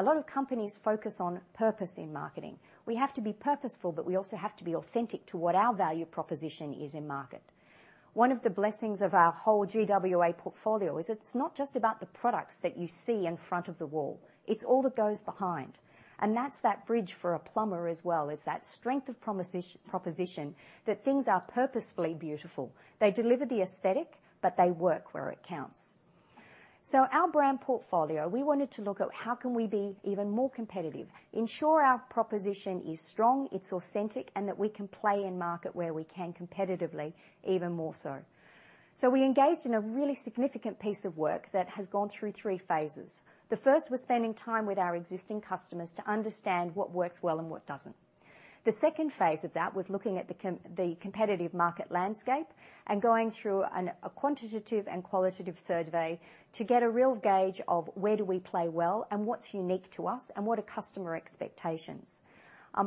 A lot of companies focus on purpose in marketing. We have to be purposeful, but we also have to be authentic to what our value proposition is in market. One of the blessings of our whole GWA portfolio is it's not just about the products that you see in front of the wall, it's all that goes behind. That's that bridge for a plumber as well, is that strength of proposition that things are purposefully beautiful. They deliver the aesthetic, but they work where it counts. Our brand portfolio, we wanted to look at how can we be even more competitive, ensure our proposition is strong, it's authentic, and that we can play in-market where we can competitively even more so. We engaged in a really significant piece of work that has gone through three phases. The first was spending time with our existing customers to understand what works well and what doesn't. The second phase of that was looking at the competitive market landscape and going through a quantitative and qualitative survey to get a real gauge of where do we play well and what's unique to us and what are customer expectations.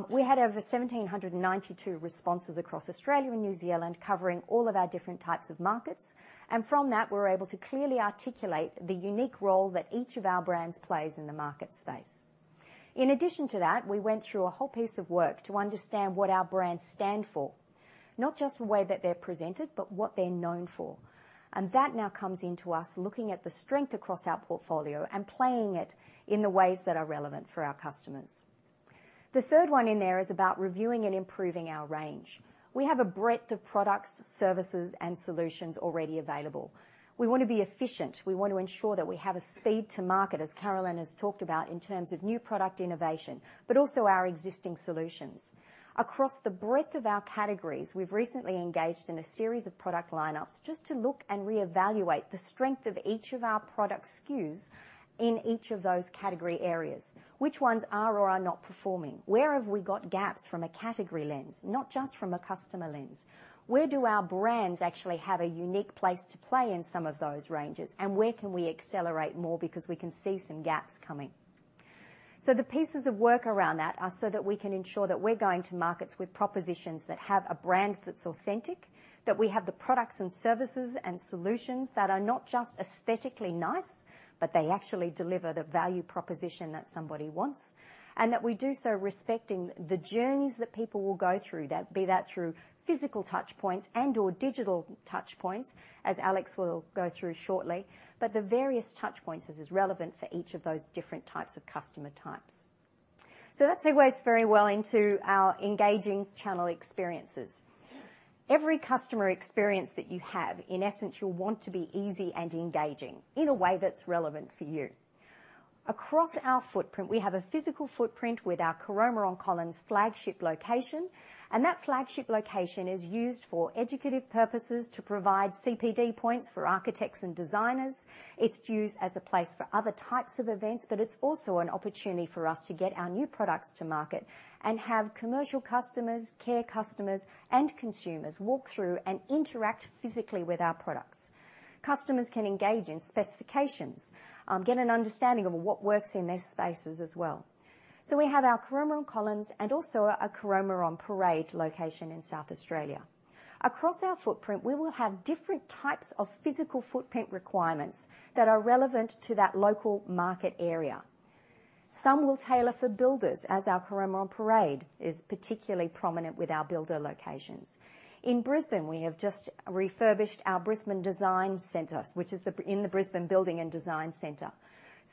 We had over 1,792 responses across Australia and New Zealand covering all of our different types of markets, and from that, we were able to clearly articulate the unique role that each of our brands plays in the market space. In addition to that, we went through a whole piece of work to understand what our brands stand for, not just the way that they're presented, but what they're known for. That now comes into us looking at the strength across our portfolio and playing it in the ways that are relevant for our customers. The third one in there is about reviewing and improving our range. We have a breadth of products, services, and solutions already available. We wanna be efficient. We want to ensure that we have a speed to market, as Caroline has talked about, in terms of new product innovation, but also our existing solutions. Across the breadth of our categories, we've recently engaged in a series of product lineups just to look and reevaluate the strength of each of our product SKUs in each of those category areas. Which ones are or are not performing? Where have we got gaps from a category lens, not just from a customer lens? Where do our brands actually have a unique place to play in some of those ranges, and where can we accelerate more because we can see some gaps coming? The pieces of work around that are so that we can ensure that we're going to markets with propositions that have a brand that's authentic, that we have the products and services and solutions that are not just aesthetically nice, but they actually deliver the value proposition that somebody wants, and that we do so respecting the journeys that people will go through, that, be that through physical touch points and/or digital touch points, as Alex will go through shortly. The various touch points as is relevant for each of those different types of customer types. That segues very well into our engaging channel experiences. Every customer experience that you have, in essence, you'll want to be easy and engaging in a way that's relevant for you. Across our footprint, we have a physical footprint with our Caroma on Collins flagship location, and that flagship location is used for educative purposes to provide CPD points for architects and designers. It's used as a place for other types of events, but it's also an opportunity for us to get our new products to market and have commercial customers, care customers, and consumers walk through and interact physically with our products. Customers can engage in specifications, get an understanding of what works in their spaces as well. We have our Caroma on Collins and also a Caroma on Parade location in South Australia. Across our footprint, we will have different types of physical footprint requirements that are relevant to that local market area. Some will tailor for builders, as our Caroma on Parade is particularly prominent with our builder locations. In Brisbane, we have just refurbished our Brisbane Design Center in the Brisbane Building and Design Center.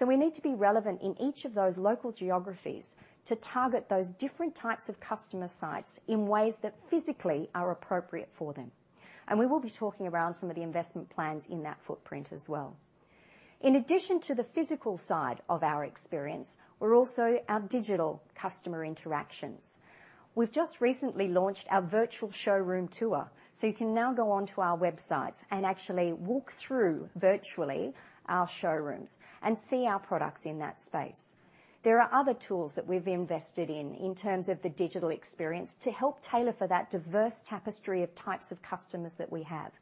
We need to be relevant in each of those local geographies to target those different types of customer sites in ways that physically are appropriate for them. We will be talking around some of the investment plans in that footprint as well. In addition to the physical side of our experience, we're also our digital customer interactions. We've just recently launched our virtual showroom tour, so you can now go onto our websites and actually walk through virtually our showrooms and see our products in that space. There are other tools that we've invested in terms of the digital experience to help tailor for that diverse tapestry of types of customers that we have.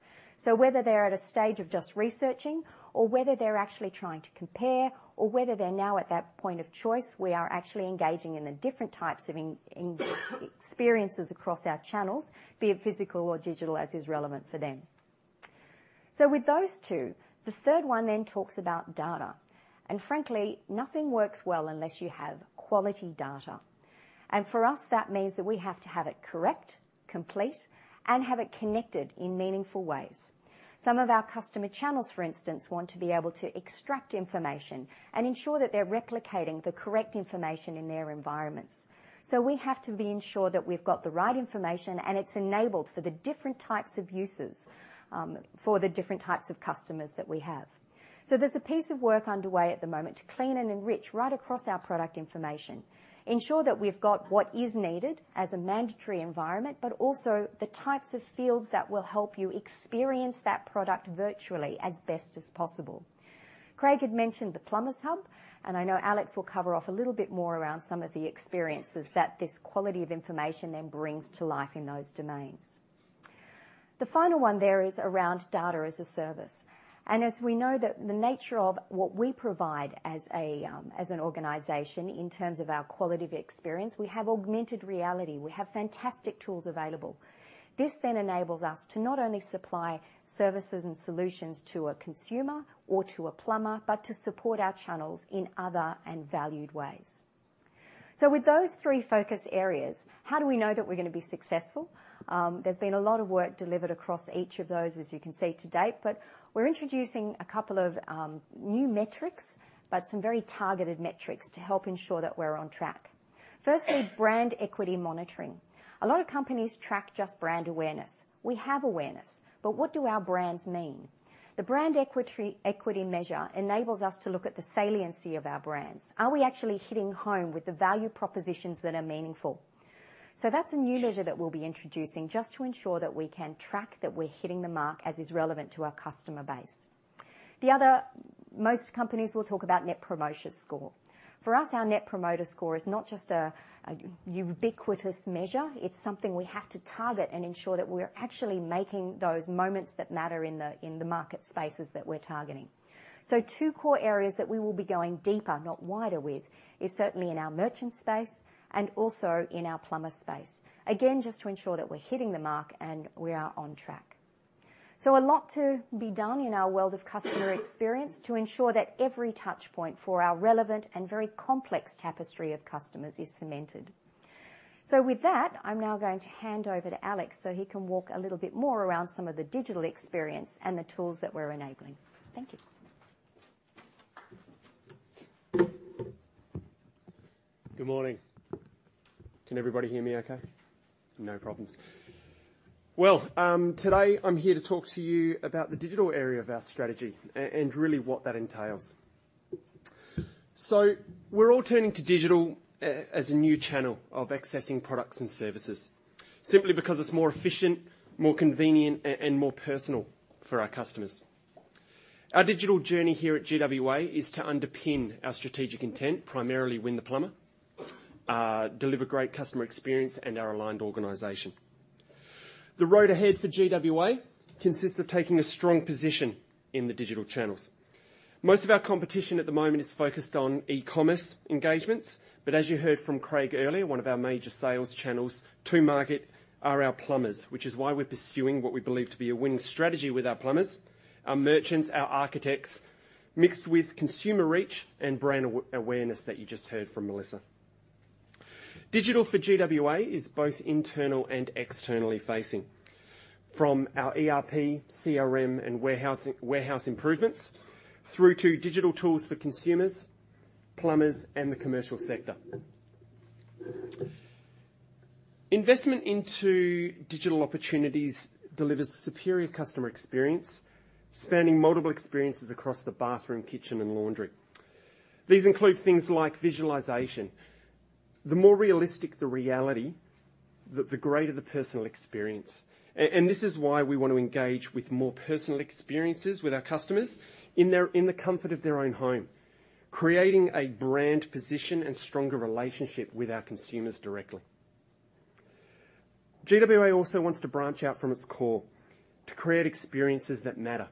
Whether they're at a stage of just researching or whether they're actually trying to compare or whether they're now at that point of choice, we are actually engaging in the different types of engagement experiences across our channels, be it physical or digital, as is relevant for them. With those two, the third one then talks about data. Frankly, nothing works well unless you have quality data. For us, that means that we have to have it correct, complete, and have it connected in meaningful ways. Some of our customer channels, for instance, want to be able to extract information and ensure that they're replicating the correct information in their environments. We have to be ensured that we've got the right information, and it's enabled for the different types of uses, for the different types of customers that we have. There's a piece of work underway at the moment to clean and enrich right across our product information, ensure that we've got what is needed as a mandatory environment, but also the types of fields that will help you experience that product virtually as best as possible. Craig had mentioned the plumbers hub, and I know Alex will cover off a little bit more around some of the experiences that this quality of information then brings to life in those domains. The final one there is around data as a service. As we know, the nature of what we provide as an organization in terms of our quality of experience, we have augmented reality. We have fantastic tools available. This then enables us to not only supply services and solutions to a consumer or to a plumber, but to support our channels in other and valued ways. With those three focus areas, how do we know that we're gonna be successful? There's been a lot of work delivered across each of those, as you can see to date, but we're introducing a couple of new metrics, but some very targeted metrics to help ensure that we're on track. Firstly, brand equity monitoring. A lot of companies track just brand awareness. We have awareness, but what do our brands mean? The brand equity measure enables us to look at the saliency of our brands. Are we actually hitting home with the value propositions that are meaningful? That's a new measure that we'll be introducing just to ensure that we can track that we're hitting the mark as is relevant to our customer base. Most companies will talk about net promoter score. For us, our net promoter score is not just a ubiquitous measure, it's something we have to target and ensure that we're actually making those moments that matter in the market spaces that we're targeting. Two core areas that we will be going deeper, not wider with, is certainly in our merchant space and also in our plumber space. Again, just to ensure that we're hitting the mark and we are on track. A lot to be done in our world of customer experience to ensure that every touch point for our relevant and very complex tapestry of customers is cemented. with that, I'm now going to hand over to Alex Larson, so he can walk a little bit more around some of the digital experience and the tools that we're enabling. Thank you. Good morning. Can everybody hear me okay? No problems. Well, today I'm here to talk to you about the digital area of our strategy and really what that entails. We're all turning to digital as a new channel of accessing products and services simply because it's more efficient, more convenient, and more personal for our customers. Our digital journey here at GWA is to underpin our strategic intent, primarily win the plumber, deliver great customer experience, and our aligned organization. The road ahead for GWA consists of taking a strong position in the digital channels. Most of our competition at the moment is focused on e-commerce engagements, but as you heard from Craig earlier, one of our major sales channels to market are our plumbers, which is why we're pursuing what we believe to be a winning strategy with our plumbers, our merchants, our architects, mixed with consumer reach and brand awareness that you just heard from Melissa. Digital for GWA is both internal and externally facing. From our ERP, CRM, and warehouse improvements through to digital tools for consumers, plumbers, and the commercial sector. Investment into digital opportunities delivers superior customer experience, spanning multiple experiences across the bathroom, kitchen, and laundry. These include things like visualization. The more realistic the reality, the greater the personal experience. This is why we want to engage with more personal experiences with our customers in the comfort of their own home, creating a brand position and stronger relationship with our consumers directly. GWA also wants to branch out from its core to create experiences that matter.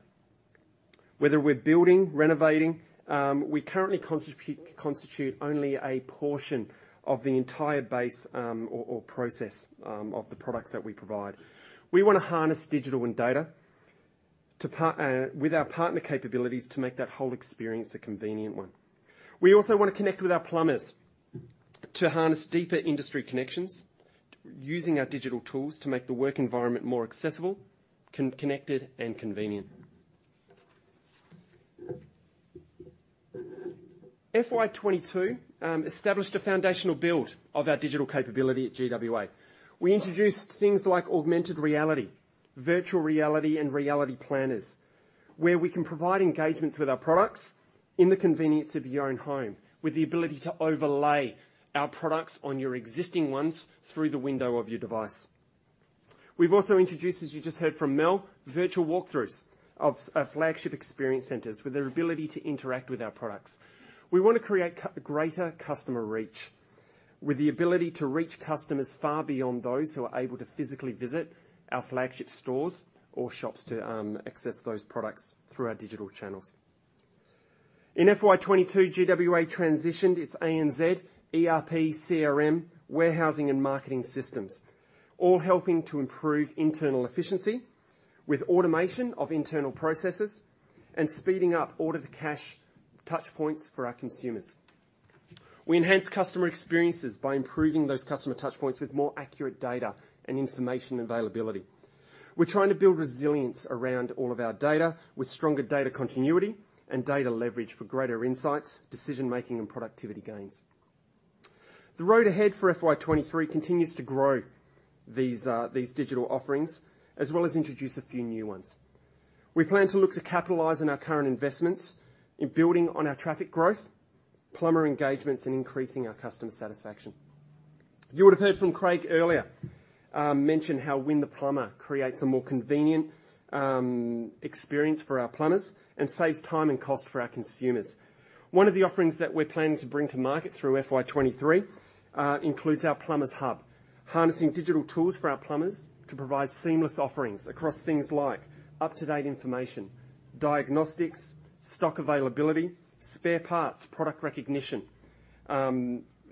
Whether we're building, renovating, we currently constitute only a portion of the entire base, or process, of the products that we provide. We want to harness digital and data to partner with our partner capabilities to make that whole experience a convenient one. We also want to connect with our plumbers to harness deeper industry connections using our digital tools to make the work environment more accessible, connected, and convenient. FY 2022 established a foundational build of our digital capability at GWA. We introduced things like augmented reality, virtual reality, and reality planners, where we can provide engagements with our products in the convenience of your own home, with the ability to overlay our products on your existing ones through the window of your device. We've also introduced, as you just heard from Mel, virtual walkthroughs of flagship experience centers with the ability to interact with our products. We wanna create greater customer reach with the ability to reach customers far beyond those who are able to physically visit our flagship stores or shops to access those products through our digital channels. In FY 2022, GWA transitioned its ANZ, ERP, CRM, warehousing, and marketing systems, all helping to improve internal efficiency with automation of internal processes and speeding up order-to-cash touchpoints for our consumers. We enhance customer experiences by improving those customer touchpoints with more accurate data and information availability. We're trying to build resilience around all of our data with stronger data continuity and data leverage for greater insights, decision-making, and productivity gains. The road ahead for FY 2023 continues to grow these digital offerings, as well as introduce a few new ones. We plan to look to capitalize on our current investments in building on our traffic growth, plumber engagements, and increasing our customer satisfaction. You would have heard from Craig earlier, mention how Win the Plumber creates a more convenient experience for our plumbers and saves time and cost for our consumers. One of the offerings that we're planning to bring to market through FY 2023 includes our plumbers hub, harnessing digital tools for our plumbers to provide seamless offerings across things like up-to-date information, diagnostics, stock availability, spare parts, product recognition,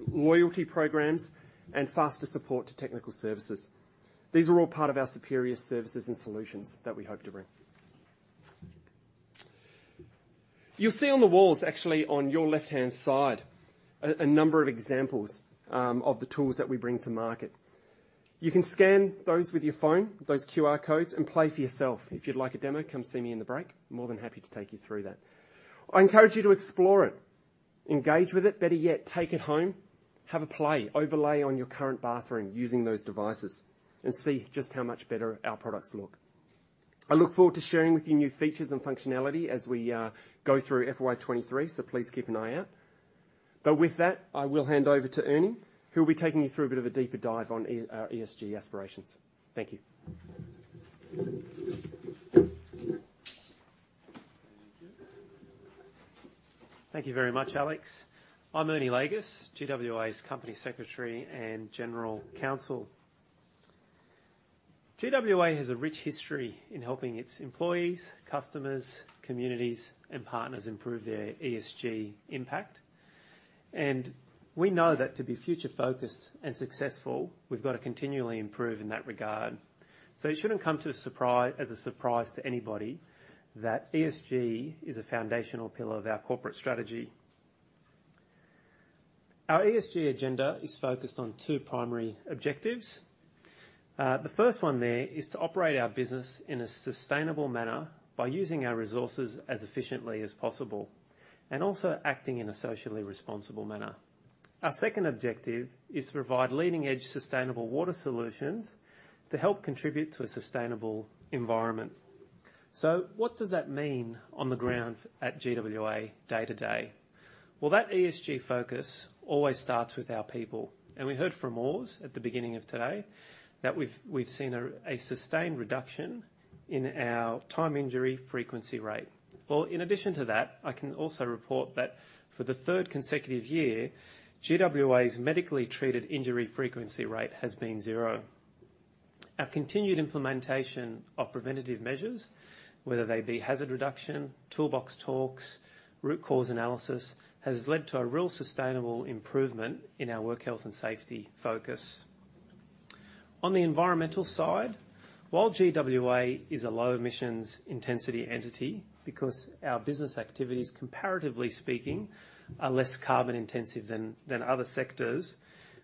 loyalty programs, and faster support to technical services. These are all part of our superior services and solutions that we hope to bring. You'll see on the walls actually on your left-hand side a number of examples of the tools that we bring to market. You can scan those with your phone, those QR codes, and play for yourself. If you'd like a demo, come see me in the break. More than happy to take you through that. I encourage you to explore it, engage with it. Better yet, take it home. Have a play. Overlay on your current bathroom using those devices and see just how much better our products look. I look forward to sharing with you new features and functionality as we go through FY 2023, so please keep an eye out. With that, I will hand over to Ernie, who will be taking you through a bit of a deeper dive on our ESG aspirations. Thank you. Thank you very much, Alex. I'm Ernie Lagis, GWA's Company Secretary and General Counsel. GWA has a rich history in helping its employees, customers, communities, and partners improve their ESG impact, and we know that to be future-focused and successful, we've got to continually improve in that regard. It shouldn't come as a surprise to anybody that ESG is a foundational pillar of our corporate strategy. Our ESG agenda is focused on two primary objectives. The first one there is to operate our business in a sustainable manner by using our resources as efficiently as possible and also acting in a socially responsible manner. Our second objective is to provide leading-edge sustainable water solutions to help contribute to a sustainable environment. What does that mean on the ground at GWA day to day? Well, that ESG focus always starts with our people, and we heard from Urs at the beginning of today that we've seen a sustained reduction in our time injury frequency rate. Well, in addition to that, I can also report that for the third consecutive year, GWA's medically treated injury frequency rate has been 0. Our continued implementation of preventative measures, whether they be hazard reduction, toolbox talks, root cause analysis, has led to a real sustainable improvement in our work health and safety focus. On the environmental side, while GWA is a low emissions intensity entity because our business activities, comparatively speaking, are less carbon intensive than other sectors,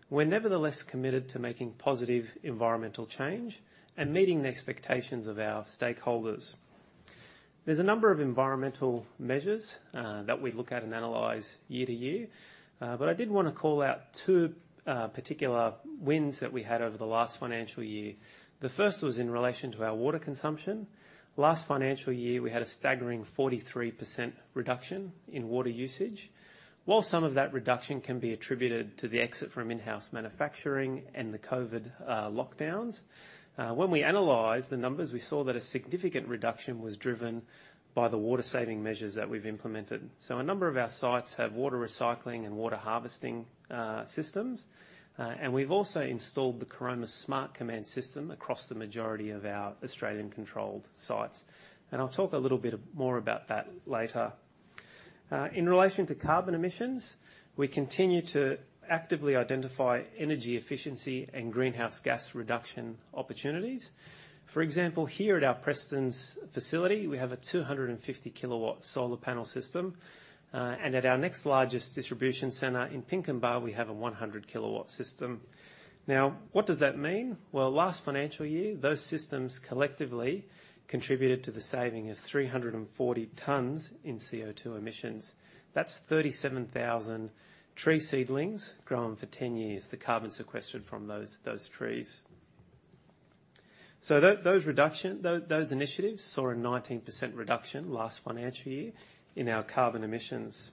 we're nevertheless committed to making positive environmental change and meeting the expectations of our stakeholders. There's a number of environmental measures that we look at and analyze year to year, but I did wanna call out two particular wins that we had over the last financial year. The first was in relation to our water consumption. Last financial year, we had a staggering 43% reduction in water usage. While some of that reduction can be attributed to the exit from in-house manufacturing and the COVID lockdowns, when we analyzed the numbers, we saw that a significant reduction was driven by the water saving measures that we've implemented. A number of our sites have water recycling and water harvesting systems. And we've also installed the Caroma Smart Command system across the majority of our Australian-controlled sites, and I'll talk a little bit more about that later. In relation to carbon emissions, we continue to actively identify energy efficiency and greenhouse gas reduction opportunities. For example, here at our Prestons facility, we have a 250 kW solar panel system. At our next largest distribution center in Pinkenba, we have a 100 kW system. Now, what does that mean? Well, last financial year, those systems collectively contributed to the saving of 340 tons in CO2 emissions. That's 37,000 tree seedlings grown for ten years, the carbon sequestered from those trees. Those initiatives saw a 19% reduction last financial year in our carbon emissions.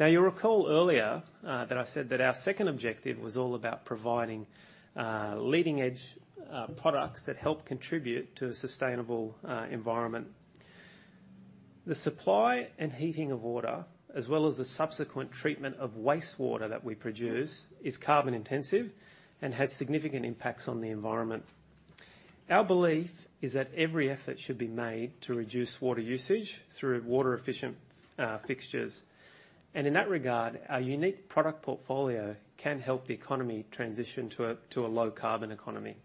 Now, you'll recall earlier, that I said that our second objective was all about providing leading-edge products that help contribute to a sustainable environment. The supply and heating of water, as well as the subsequent treatment of wastewater that we produce, is carbon intensive and has significant impacts on the environment. Our belief is that every effort should be made to reduce water usage through water-efficient fixtures. In that regard, our unique product portfolio can help the economy transition to a low carbon economy.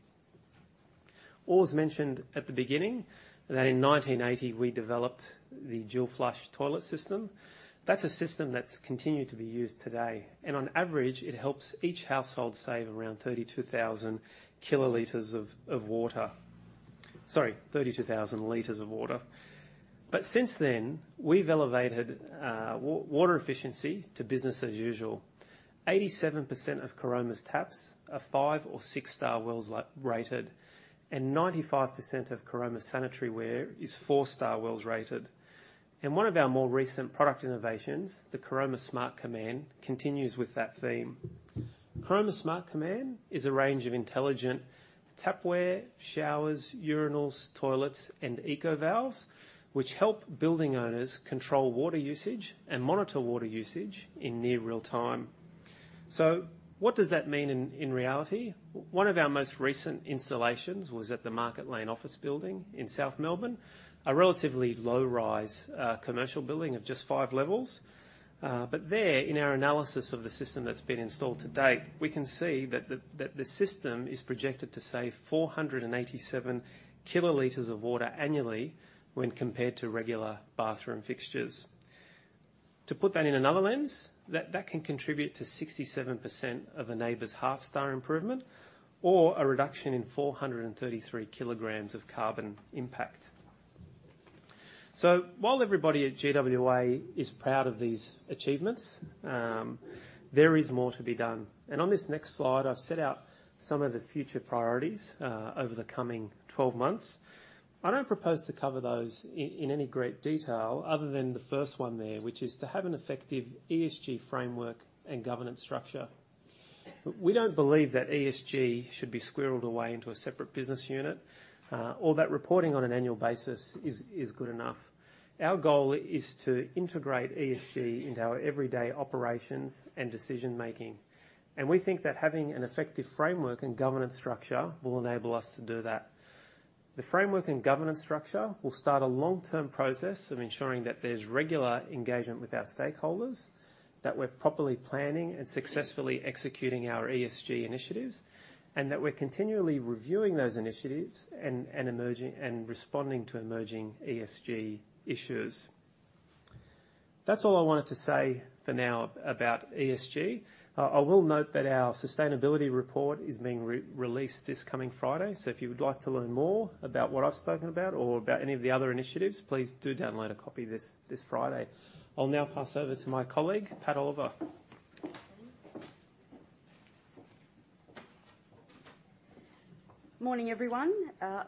Urs mentioned at the beginning that in 1980 we developed the dual flush toilet system. That's a system that's continued to be used today, and on average, it helps each household save around 32,000 kiloliters of water. Sorry, 32,000 liters of water. Since then, we've elevated water efficiency to business as usual. 87% of Caroma's taps are 5- or 6-star WELS rated, and 95% of Caroma's sanitary ware is 4-star WELS rated. One of our more recent product innovations, the Caroma Smart Command, continues with that theme. Caroma Smart Command is a range of intelligent tapware, showers, urinals, toilets, and eco valves, which help building owners control water usage and monitor water usage in near real time. What does that mean in reality? One of our most recent installations was at the Market Lane office building in South Melbourne, a relatively low-rise commercial building of just 5 levels. There in our analysis of the system that's been installed to date, we can see that the system is projected to save 487 kiloliters of water annually when compared to regular bathroom fixtures. To put that in another lens, that can contribute to 67% of a NABERS half-star improvement or a reduction in 433 kg of carbon impact. While everybody at GWA is proud of these achievements, there is more to be done. On this next slide, I've set out some of the future priorities over the coming 12 months. I don't propose to cover those in any great detail other than the first one there, which is to have an effective ESG framework and governance structure. We don't believe that ESG should be squirreled away into a separate business unit, or that reporting on an annual basis is good enough. Our goal is to integrate ESG into our everyday operations and decision-making, and we think that having an effective framework and governance structure will enable us to do that. The framework and governance structure will start a long-term process of ensuring that there's regular engagement with our stakeholders, that we're properly planning and successfully executing our ESG initiatives, and that we're continually reviewing those initiatives and responding to emerging ESG issues. That's all I wanted to say for now about ESG. I will note that our sustainability report is being released this coming Friday. If you would like to learn more about what I've spoken about or about any of the other initiatives, please do download a copy this Friday. I'll now pass over to my colleague, Patricia Oliver. Morning, everyone.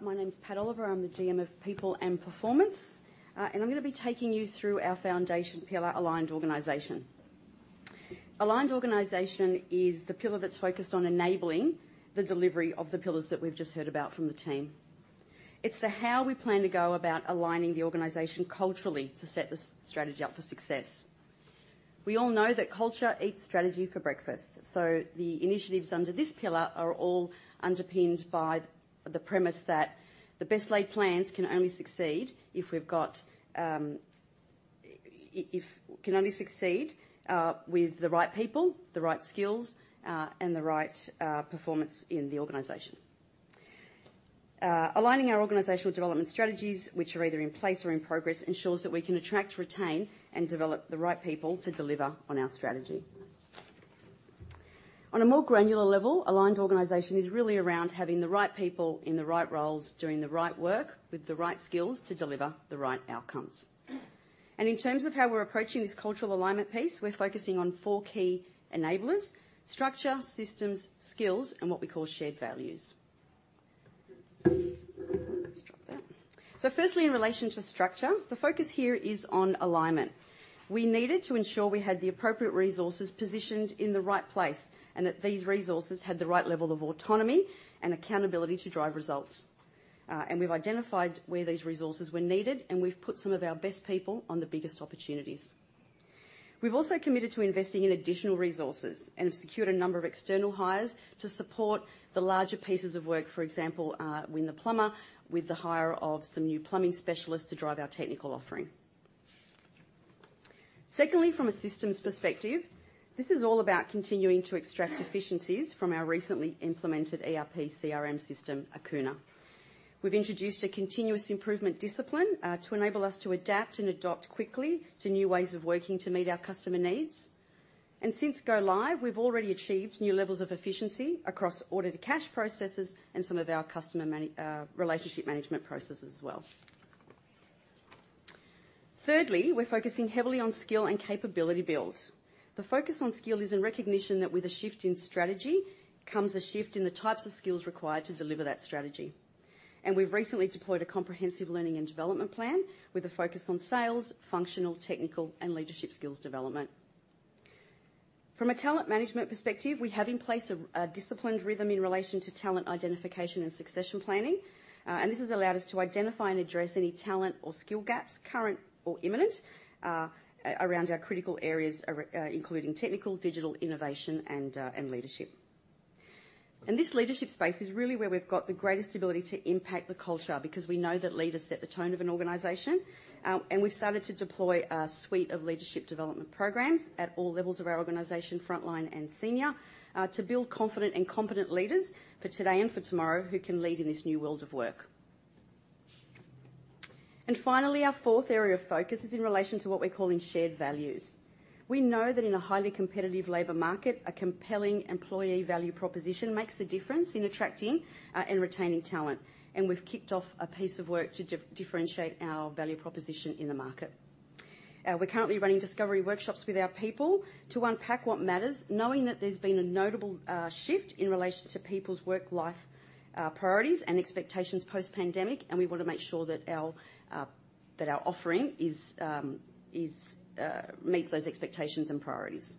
My name is Patricia Oliver. I'm the GM of People and Performance. I'm gonna be taking you through our foundation pillar, Aligned Organization. Aligned Organization is the pillar that's focused on enabling the delivery of the pillars that we've just heard about from the team. It's the how we plan to go about aligning the organization culturally to set the strategy up for success. We all know that culture eats strategy for breakfast. The initiatives under this pillar are all underpinned by the premise that the best laid plans can only succeed if we've got with the right people, the right skills, and the right performance in the organization. Aligning our organizational development strategies which are either in place or in progress, ensures that we can attract, retain, and develop the right people to deliver on our strategy. On a more granular level, Aligned Organization is really around having the right people in the right roles, doing the right work with the right skills to deliver the right outcomes. In terms of how we're approaching this cultural alignment piece, we're focusing on four key enablers, structure, systems, skills, and what we call shared values. Let's drop that. Firstly, in relation to structure, the focus here is on alignment. We needed to ensure we had the appropriate resources positioned in the right place, and that these resources had the right level of autonomy and accountability to drive results. We've identified where these resources were needed, and we've put some of our best people on the biggest opportunities. We've also committed to investing in additional resources and have secured a number of external hires to support the larger pieces of work. For example, Win the Plumber with the hire of some new plumbing specialists to drive our technical offering. Secondly, from a systems perspective, this is all about continuing to extract efficiencies from our recently implemented ERP CRM system, Akuna. We've introduced a continuous improvement discipline to enable us to adapt and adopt quickly to new ways of working to meet our customer needs. Since go live, we've already achieved new levels of efficiency across order-to-cash processes and some of our customer relationship management processes as well. Thirdly, we're focusing heavily on skill and capability build. The focus on skill is in recognition that with a shift in strategy comes a shift in the types of skills required to deliver that strategy. We've recently deployed a comprehensive learning and development plan with a focus on sales, functional, technical, and leadership skills development. From a talent management perspective, we have in place a disciplined rhythm in relation to talent identification and succession planning. This has allowed us to identify and address any talent or skill gaps, current or imminent, around our critical areas, including technical, digital, innovation, and leadership. This leadership space is really where we've got the greatest ability to impact the culture because we know that leaders set the tone of an organization. We've started to deploy a suite of leadership development programs at all levels of our organization, frontline and senior, to build confident and competent leaders for today and for tomorrow who can lead in this new world of work. Finally, our fourth area of focus is in relation to what we're calling shared values. We know that in a highly competitive labor market, a compelling employee value proposition makes the difference in attracting and retaining talent, and we've kicked off a piece of work to differentiate our value proposition in the market. We're currently running discovery workshops with our people to unpack what matters, knowing that there's been a notable shift in relation to people's work life priorities and expectations post-pandemic, and we wanna make sure that our offering meets those expectations and priorities.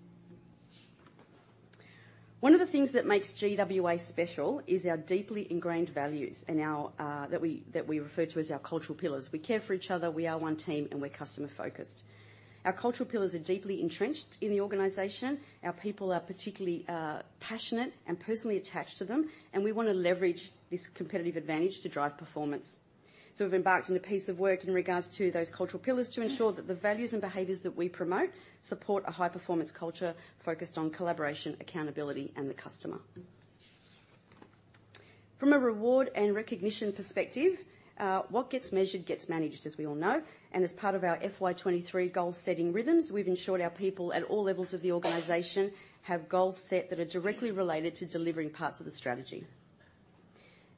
One of the things that makes GWA special is our deeply ingrained values and our that we refer to as our cultural pillars. We care for each other, we are one team, and we're customer-focused. Our cultural pillars are deeply entrenched in the organization. Our people are particularly passionate and personally attached to them, and we wanna leverage this competitive advantage to drive performance. We've embarked on a piece of work in regards to those cultural pillars to ensure that the values and behaviors that we promote support a high-performance culture focused on collaboration, accountability, and the customer. From a reward and recognition perspective, what gets measured gets managed, as we all know. As part of our FY 2023 goal-setting rhythms, we've ensured our people at all levels of the organization have goals set that are directly related to delivering parts of the strategy.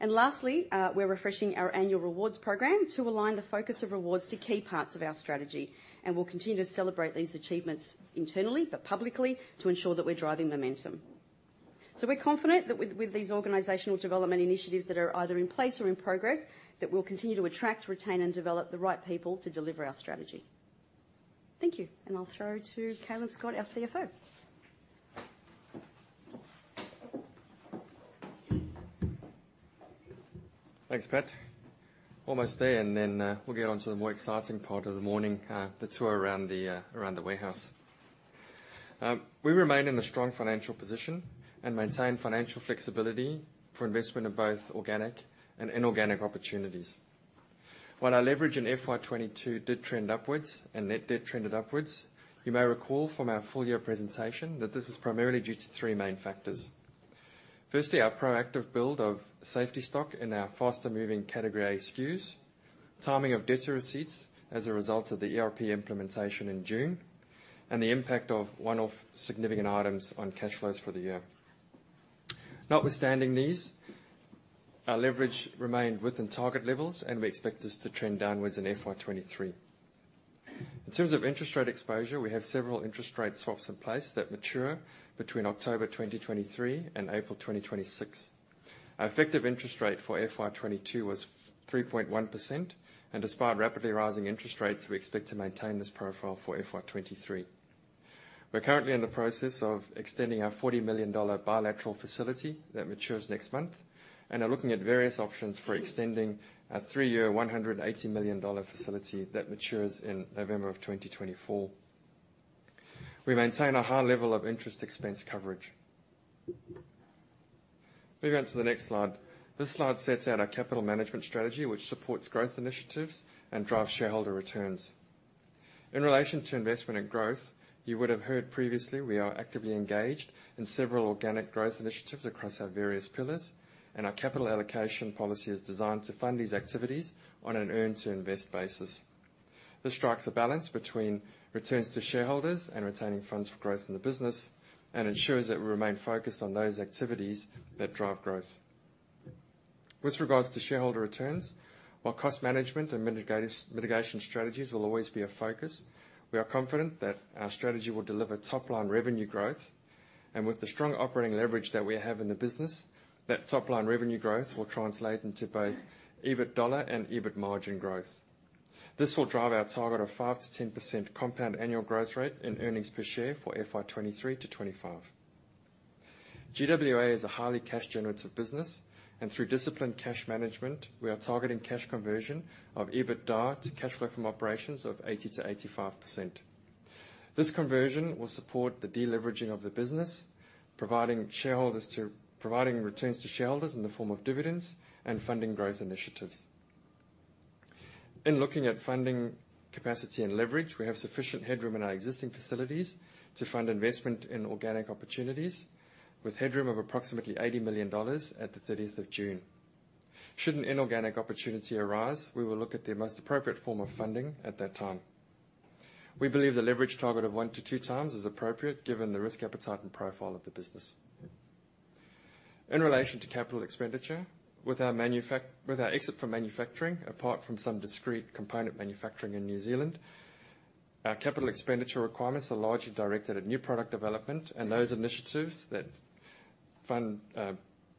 Lastly, we're refreshing our annual rewards program to align the focus of rewards to key parts of our strategy, and we'll continue to celebrate these achievements internally but publicly to ensure that we're driving momentum. We're confident that with these organizational development initiatives that are either in place or in progress, that we'll continue to attract, retain, and develop the right people to deliver our strategy. Thank you. I'll throw to Calin Scott, our CFO. Thanks, Pat. Almost there, and then we'll get on to the more exciting part of the morning, the tour around the warehouse. We remain in a strong financial position and maintain financial flexibility for investment in both organic and inorganic opportunities. While our leverage in FY 2022 did trend upwards and net debt trended upwards, you may recall from our full year presentation that this was primarily due to three main factors. Firstly, our proactive build of safety stock in our faster moving category A SKUs, timing of debtor receipts as a result of the ERP implementation in June, and the impact of one-off significant items on cash flows for the year. Notwithstanding these, our leverage remained within target levels, and we expect this to trend downwards in FY 2023. In terms of interest rate exposure, we have several interest rate swaps in place that mature between October 2023 and April 2026. Our effective interest rate for FY 2022 was 3.1%, and despite rapidly rising interest rates, we expect to maintain this profile for FY 2023. We're currently in the process of extending our 40 million dollar bilateral facility that matures next month and are looking at various options for extending our 3-year 180 million dollar facility that matures in November 2024. We maintain a high level of interest expense coverage. Moving on to the next slide. This slide sets out our capital management strategy, which supports growth initiatives and drives shareholder returns. In relation to investment and growth, you would have heard previously we are actively engaged in several organic growth initiatives across our various pillars, and our capital allocation policy is designed to fund these activities on an earn to invest basis. This strikes a balance between returns to shareholders and retaining funds for growth in the business and ensures that we remain focused on those activities that drive growth. With regards to shareholder returns, while cost management and mitigation strategies will always be a focus, we are confident that our strategy will deliver top-line revenue growth. With the strong operating leverage that we have in the business, that top-line revenue growth will translate into both EBIT dollar and EBIT margin growth. This will drive our target of 5%-10% compound annual growth rate in earnings per share for FY 2023-2025. GWA is a highly cash generative business, and through disciplined cash management, we are targeting cash conversion of EBITDA to cash flow from operations of 80%-85%. This conversion will support the deleveraging of the business, providing returns to shareholders in the form of dividends and funding growth initiatives. In looking at funding capacity and leverage, we have sufficient headroom in our existing facilities to fund investment in organic opportunities with headroom of approximately 80 million dollars at the 13th of June. Should an inorganic opportunity arise, we will look at the most appropriate form of funding at that time. We believe the leverage target of 1-2 times is appropriate given the risk appetite and profile of the business. In relation to capital expenditure, with our exit from manufacturing, apart from some discrete component manufacturing in New Zealand, our capital expenditure requirements are largely directed at new product development and those initiatives that fund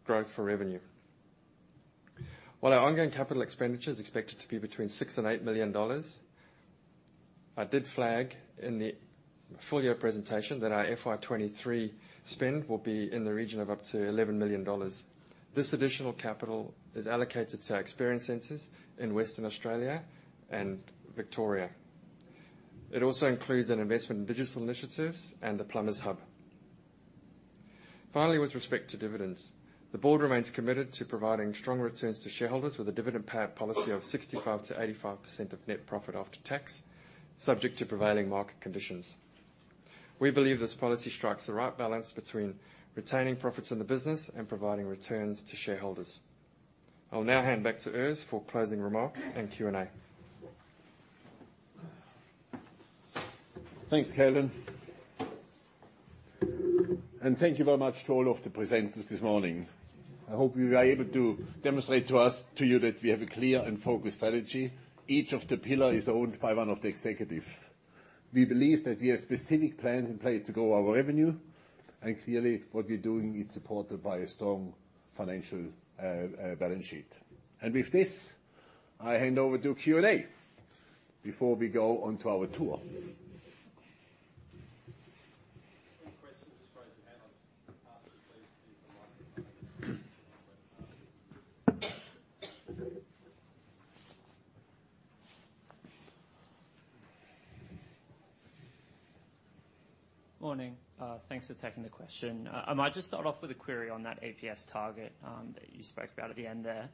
growth for revenue. While our ongoing capital expenditure is expected to be between 6 million and 8 million dollars, I did flag in the full year presentation that our FY 2023 spend will be in the region of up to 11 million dollars. This additional capital is allocated to our experience centers in Western Australia and Victoria. It also includes an investment in digital initiatives and the plumbers' hub. Finally, with respect to dividends, the board remains committed to providing strong returns to shareholders with a dividend pay-out policy of 65%-85% of net profit after tax, subject to prevailing market conditions. We believe this policy strikes the right balance between retaining profits in the business and providing returns to shareholders. I'll now hand back to Urs for closing remarks and Q&A. Thanks, Calin. Thank you very much to all of the presenters this morning. I hope you were able to demonstrate to us, to you that we have a clear and focused strategy. Each of the pillar is owned by one of the executives. We believe that we have specific plans in place to grow our revenue, and clearly what we're doing is supported by a strong financial balance sheet. With this, I hand over to Q&A before we go onto our tour. Any questions? Just raise your hand or use the microphone next to you. Morning. Thanks for taking the question. I might just start off with a query on that EPS target that you spoke about at the end there.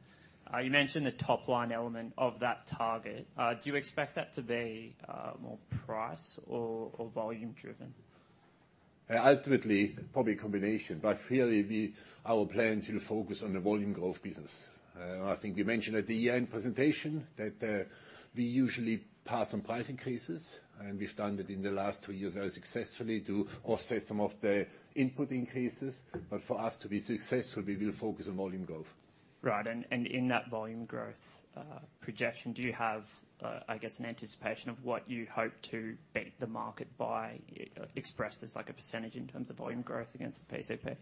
You mentioned the top line element of that target. Do you expect that to be more price or volume driven? Ultimately, probably a combination. Really our plans will focus on the volume growth business. I think we mentioned at the year-end presentation that we usually pass on price increases, and we've done that in the last two years very successfully to offset some of the input increases. For us to be successful, we will focus on volume growth. Right. In that volume growth projection, do you have, I guess, an anticipation of what you hope to beat the market by, expressed as like a percentage in terms of volume growth against the PCP?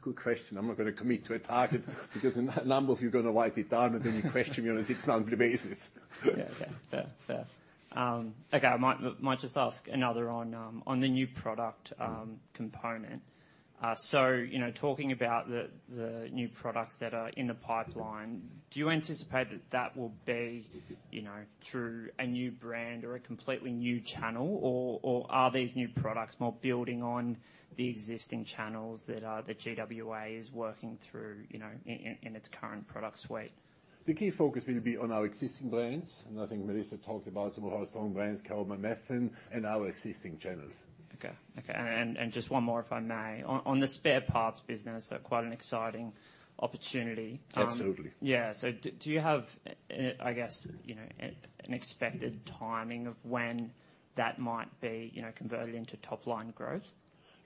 Good question. I'm not gonna commit to a target because a number of you gonna write it down, and then you question me on it six months' basis. Yeah. Fair. Okay. I might just ask another on the new product component. You know, talking about the new products that are in the pipeline, do you anticipate that will be through a new brand or a completely new channel, or are these new products more building on the existing channels that GWA is working through, you know, in its current product suite? The key focus will be on our existing brands, and I think Melissa talked about some of our strong brands, Caroma, Methven, in our existing channels. Okay. Just one more if I may. On the spare parts business, so quite an exciting opportunity. Absolutely. Yeah. Do you have, I guess, you know, an expected timing of when that might be, you know, converted into top line growth?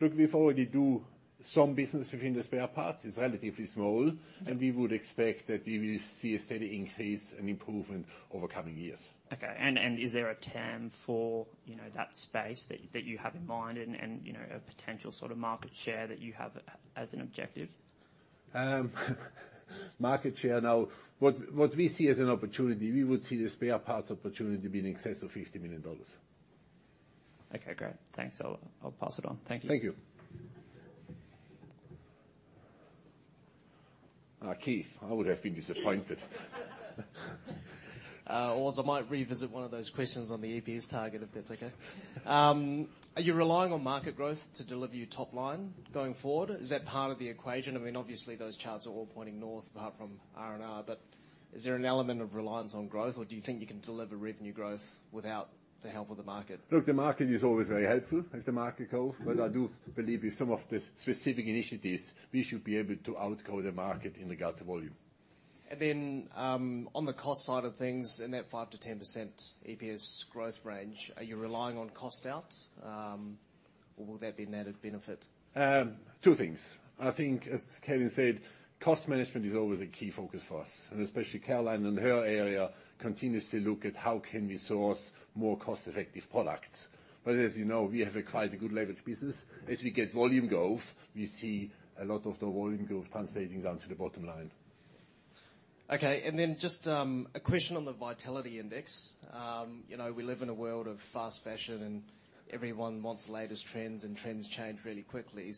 Look, we already do some business within the spare parts. It's relatively small, and we would expect that we will see a steady increase and improvement over coming years. Okay. Is there a TAM for, you know, that space that you have in mind and, you know, a potential sort of market share that you have as an objective? Market share. Now what we see as an opportunity, we would see the spare parts opportunity being in excess of AUD 50 million. Okay. Great. Thanks. I'll pass it on. Thank you. Thank you. Keith, I would have been disappointed. Also I might revisit one of those questions on the EPS target, if that's okay. Are you relying on market growth to deliver you top line going forward? Is that part of the equation? I mean, obviously, those charts are all pointing north apart from R&R, but is there an element of reliance on growth, or do you think you can deliver revenue growth without the help of the market? Look, the market is always very helpful as the market goes. I do believe with some of the specific initiatives, we should be able to outgrow the market in regard to volume. On the cost side of things, in that 5%-10% EPS growth range, are you relying on cost out, or will that be an added benefit? Two things. I think, as Calin said, cost management is always a key focus for us, and especially Caroline in her area continuously look at how can we source more cost-effective products. As you know, we have quite a good leverage business. As we get volume growth, we see a lot of the volume growth translating down to the bottom line. Okay. Just a question on the vitality index. You know, we live in a world of fast fashion, and everyone wants the latest trends, and trends change really quickly.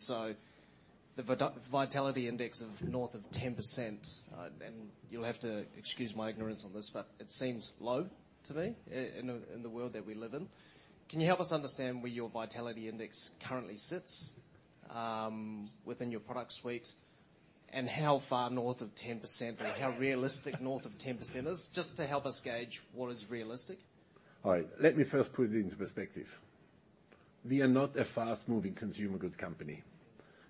The vitality index north of 10%, and you'll have to excuse my ignorance on this, but it seems low to me in the world that we live in. Can you help us understand where your vitality index currently sits, within your product suite, and how far north of 10% or how realistic north of 10% is? Just to help us gauge what is realistic. All right. Let me first put it into perspective. We are not a fast-moving consumer goods company.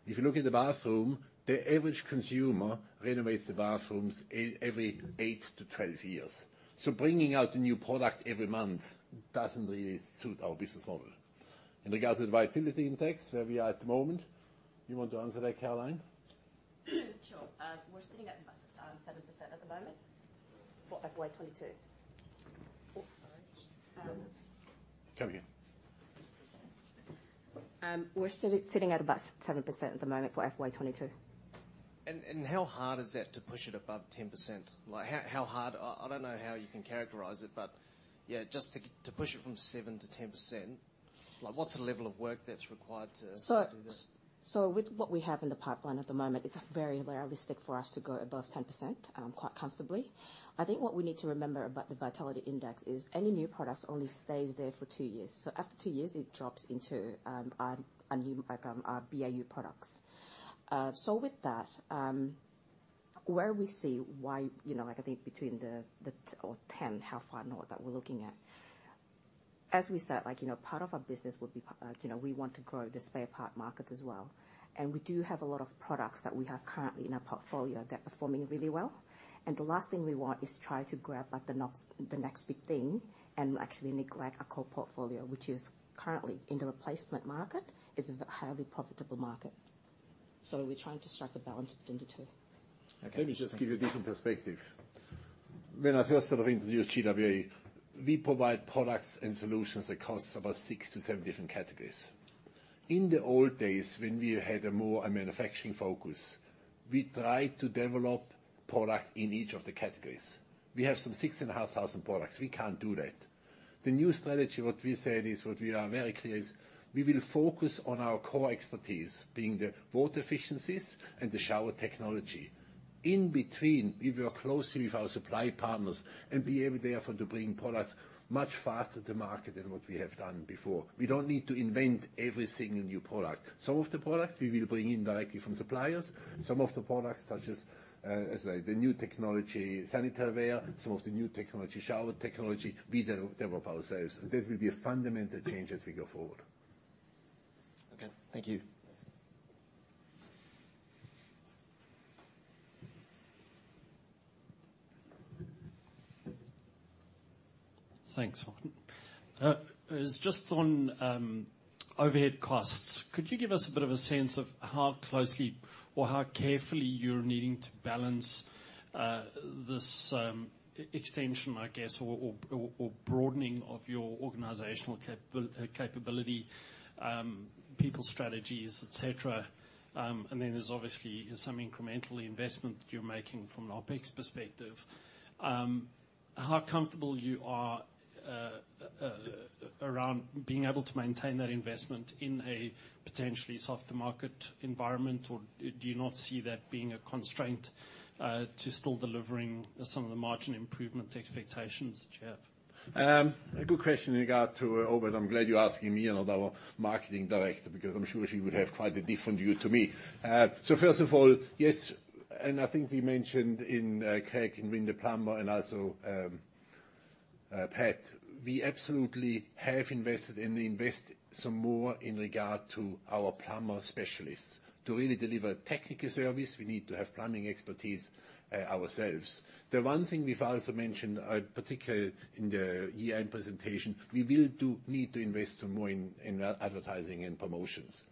If you look at the bathroom, the average consumer renovates the bathrooms every 8-12 years. Bringing out a new product every month doesn't really suit our business model. In regard to the vitality index, where we are at the moment, you want to answer that, Caroline? Sure. We're sitting at about 7% at the moment for FY 2022. Come again. We're sitting at about 7% at the moment for FY 2022. How hard is that to push it above 10%? Like, how hard I don't know how you can characterize it, but yeah, just to push it from 7%-10%, like, what's the level of work that's required to do that? With what we have in the pipeline at the moment, it's very realistic for us to go above 10%, quite comfortably. I think what we need to remember about the vitality index is any new products only stays there for two years. After two years, it drops into our new, like, our BAU products. With that, where we see why, you know, like, I think between the or 10, how far north that we're looking at. As we said, like, you know, part of our business would be, like, you know, we want to grow the spare part market as well. We do have a lot of products that we have currently in our portfolio that are performing really well. The last thing we want is try to grab like the next big thing and actually neglect our core portfolio, which is currently in the replacement market. It's a highly profitable market. We're trying to strike a balance between the two. Okay. Let me just give you a different perspective. When I first sort of introduced GWA, we provide products and solutions across about 6-7 different categories. In the old days, when we had a more a manufacturing focus, we tried to develop products in each of the categories. We have some 6,500 products. We can't do that. The new strategy, what we said is, what we are very clear is we will focus on our core expertise, being the water efficiencies and the shower technology. In between, we work closely with our supply partners and be able therefore to bring products much faster to market than what we have done before. We don't need to invent every single new product. Some of the products we will bring in directly from suppliers. Some of the products, such as, like, the new technology sanitaryware, some of the new technology shower technology, we develop ourselves. That will be a fundamental change as we go forward. Okay. Thank you. Thanks. Thanks, Martin. Just on overhead costs, could you give us a bit of a sense of how closely or how carefully you're needing to balance this extension, I guess, or broadening of your organizational capability, people strategies, et cetera. There's obviously some incremental investment you're making from an OpEx perspective. How comfortable you are around being able to maintain that investment in a potentially softer market environment, or do you not see that being a constraint to still delivering some of the margin improvement expectations that you have? A good question in regard to overhead. I'm glad you're asking me and not our marketing director, because I'm sure she would have quite a different view to me. First of all, yes, I think we mentioned in Craig, in Win the Plumber and also Pat, we absolutely have invested and invest some more in regard to our plumber specialists. To really deliver technical service, we need to have plumbing expertise ourselves. The one thing we've also mentioned, particularly in the year-end presentation, we need to invest some more in advertising and promotions.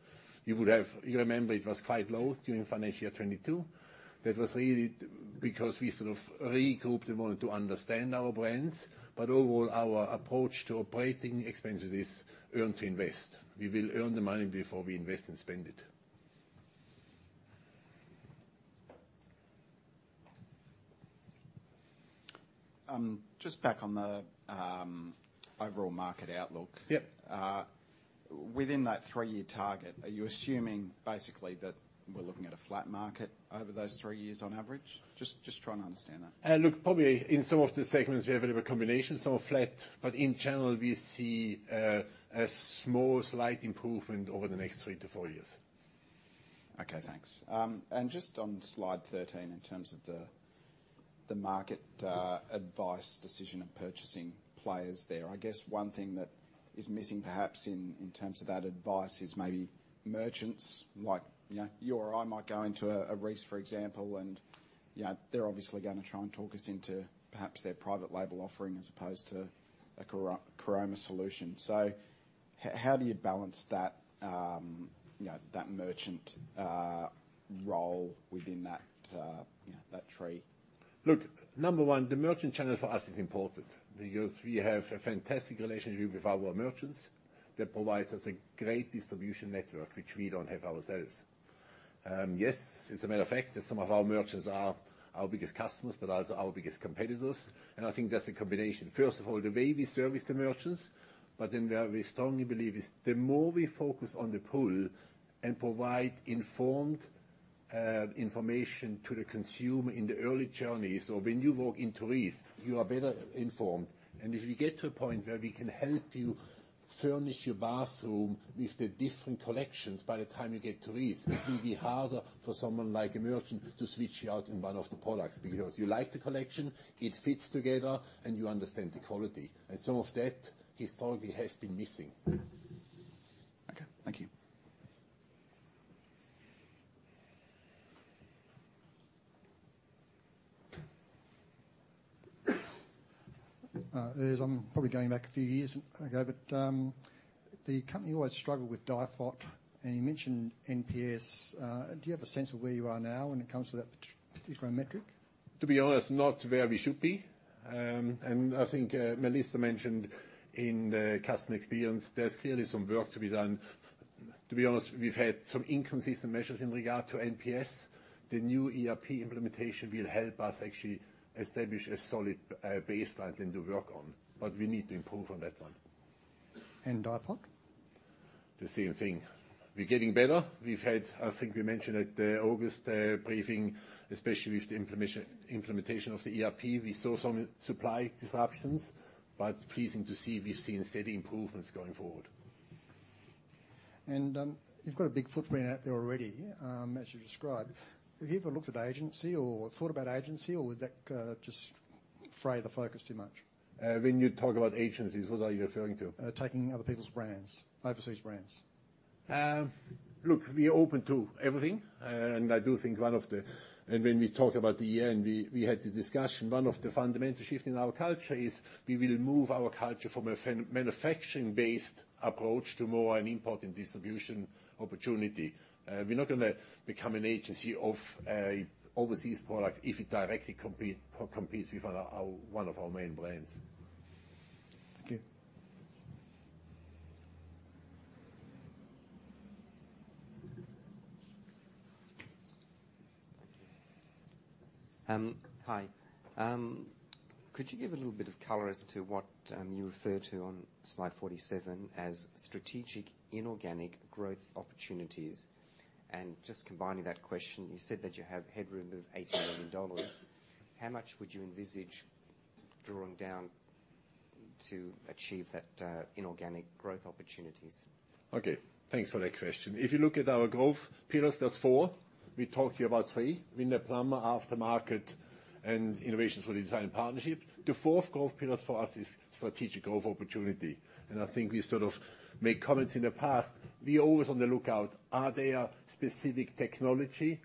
You would have. You remember it was quite low during financial 2022. That was really because we sort of regrouped and wanted to understand our brands. Overall, our approach to operating expenses is earn to invest. We will earn the money before we invest and spend it. Just back on the overall market outlook. Yep. Within that three-year target, are you assuming basically that we're looking at a flat market over those three years on average? Just trying to understand that. Look, probably in some of the segments, we have a bit of a combination, so flat. In general, we see a small slight improvement over the next 3-4 years. Okay, thanks. Just on slide 13, in terms of the market advice decision of purchasing players there. I guess one thing that is missing, perhaps, in terms of that advice is maybe merchants like, you know, you or I might go into a Reece, for example, and, you know, they're obviously gonna try and talk us into perhaps their private label offering as opposed to a Caroma solution. How do you balance that, you know, that merchant role within that, you know, that tree? Look, number one, the merchant channel for us is important because we have a fantastic relationship with our merchants that provides us a great distribution network, which we don't have ourselves. Yes, as a matter of fact, some of our merchants are our biggest customers, but also our biggest competitors. I think that's a combination. First of all, the way we service the merchants, but then where we strongly believe is the more we focus on the pull and provide informed information to the consumer in the early journey. When you walk into Reece, you are better informed. If we get to a point where we can help you furnish your bathroom with the different collections by the time you get to Reece, it will be harder for someone like a merchant to switch you out in one of the products because you like the collection, it fits together, and you understand the quality. Some of that historically has been missing. Okay. Thank you. Urs, I'm probably going back a few years ago, but the company always struggled with DIFOT, and you mentioned NPS. Do you have a sense of where you are now when it comes to that particular metric? To be honest, not where we should be. I think Melissa mentioned in the customer experience, there's clearly some work to be done. To be honest, we've had some inconsistent measures in regard to NPS. The new ERP implementation will help us actually establish a solid baseline then to work on, but we need to improve on that one. DIFOT? The same thing. We're getting better. We've had. I think we mentioned at the August briefing, especially with the implementation of the ERP, we saw some supply disruptions, but pleasing to see, we've seen steady improvements going forward. You've got a big footprint out there already, as you described. Have you ever looked at agency or thought about agency, or would that just fray the focus too much? When you talk about agencies, what are you referring to? Taking other people's brands, overseas brands. Look, we are open to everything. I do think when we talk about the year-end, we had the discussion, one of the fundamental shifts in our culture is we will move our culture from a manufacturing-based approach to more of an import and distribution opportunity. We're not gonna become an agent for an overseas product if it directly competes with one of our main brands. Thank you. Thank you. Hi. Could you give a little bit of color as to what you refer to on slide 47 as strategic inorganic growth opportunities? Just combining that question, you said that you have headroom of 80 million dollars. How much would you envisage drawing down to achieve that inorganic growth opportunities? Okay. Thanks for that question. If you look at our growth pillars, there's four. We talked to you about three, win the plumber, aftermarket, and innovations for design partnership. The fourth growth pillar for us is strategic growth opportunity, and I think we sort of made comments in the past. We're always on the lookout. Are there specific technology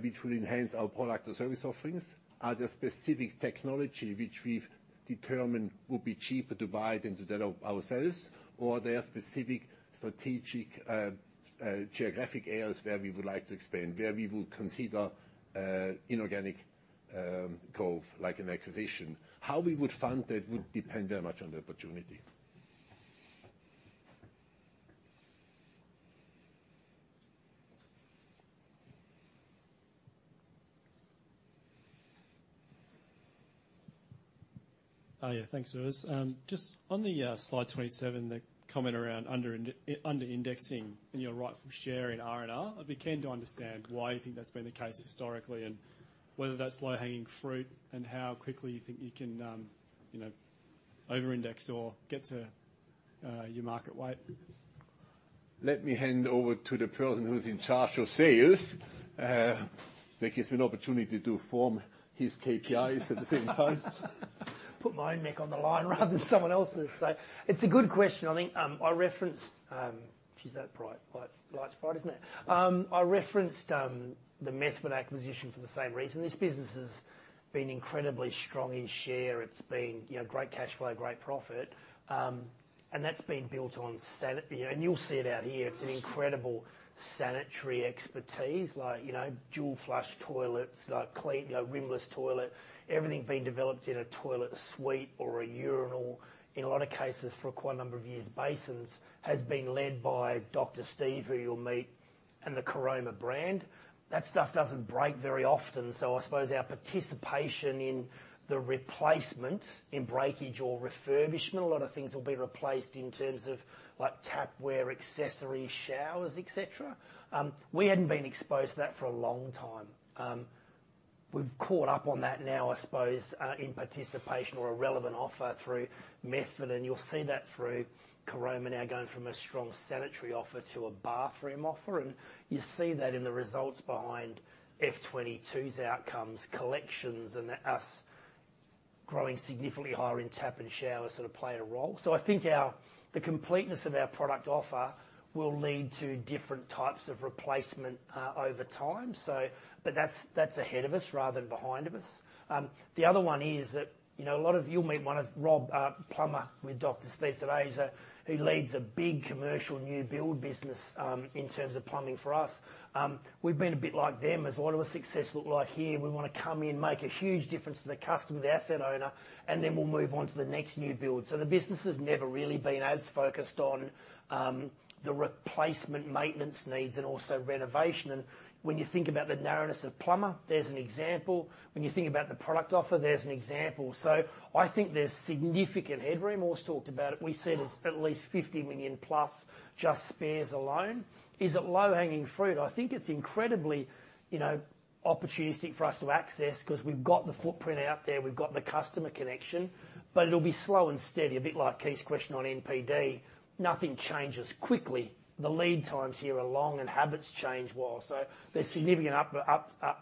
which will enhance our product or service offerings? Are there specific technology which we've determined will be cheaper to buy than to develop ourselves? Or are there specific strategic geographic areas where we would like to expand, where we will consider inorganic growth like an acquisition. How we would fund that would depend very much on the opportunity. Oh, yeah. Thanks for this. Just on the slide 27, the comment around under indexing and your rightful share in R&R. I'd be keen to understand why you think that's been the case historically, and whether that's low-hanging fruit, and how quickly you think you can over-index or get to your market weight. Let me hand over to the person who's in charge of sales. That gives me an opportunity to form his KPIs at the same time. Put my neck on the line rather than someone else's. It's a good question. I think, I referenced. Geez, that bright light. Light's bright, isn't it? I referenced the Methven acquisition for the same reason. This business has been incredibly strong in share. It's been, you know, great cash flow, great profit. That's been built on sanitary. You'll see it out here. It's an incredible sanitary expertise like, you know, dual flush toilets, like clean, you know, rimless toilet. Everything being developed in a toilet suite or a urinal. In a lot of cases, for quite a number of years, basins has been led by Dr. Steve, who you'll meet, and the Caroma brand. That stuff doesn't break very often, so I suppose our participation in the replacement, in breakage or refurbishment, a lot of things will be replaced in terms of, like, tapware, accessories, showers, et cetera. We hadn't been exposed to that for a long time. We've caught up on that now, I suppose, in participation or a relevant offer through Methven, and you'll see that through Caroma now going from a strong sanitary offer to a bathroom offer. You see that in the results behind FY 2022's outcomes, collections and us growing significantly higher in tap and shower sort of play a role. I think the completeness of our product offer will lead to different types of replacement over time. But that's ahead of us rather than behind us. The other one is that, you know, a lot of you'll meet one of Rob's plumbers with Dr. Steve today, who leads a big commercial new build business in terms of plumbing for us. We've been a bit like that, as a lot of our success looks like here. We wanna come in, make a huge difference to the customer, the asset owner, and then we'll move on to the next new build. The business has never really been as focused on the replacement maintenance needs and also renovation. When you think about the narrowness of plumber, there's an example. When you think about the product offer, there's an example. I think there's significant headroom. Urs talked about it. We've seen at least 50 million plus just spares alone. Is it low-hanging fruit? I think it's incredibly, you know, opportunistic for us to access 'cause we've got the footprint out there, we've got the customer connection, but it'll be slow and steady. A bit like Keith's question on NPD. Nothing changes quickly. The lead times here are long and habits change slowly. There's significant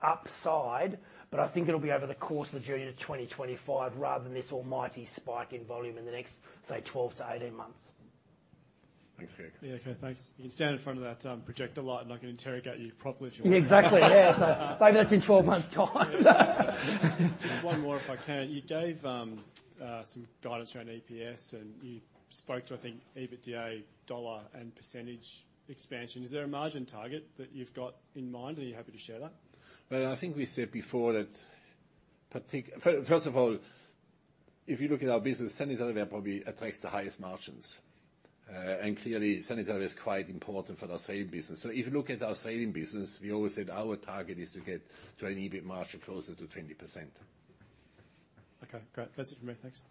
upside, but I think it'll be over the course of the journey to 2025 rather than this almighty spike in volume in the next, say, 12-18 months. Thanks, Craig. Yeah. Okay, thanks. You can stand in front of that projector light and I can interrogate you properly if you want. Yeah, exactly. Yeah. Maybe that's in 12 months time. Just one more if I can. You gave some guidance around EPS and you spoke to, I think, EBITDA dollar and percentage expansion. Is there a margin target that you've got in mind, and are you happy to share that? Well, I think we said before. First of all, if you look at our business, sanitaryware probably attracts the highest margins. Clearly sanitaryware is quite important for our ceiling business. If you look at our ceiling business, we always said our target is to get to an EBIT margin closer to 20%. Okay, great. That's it for me. Thanks.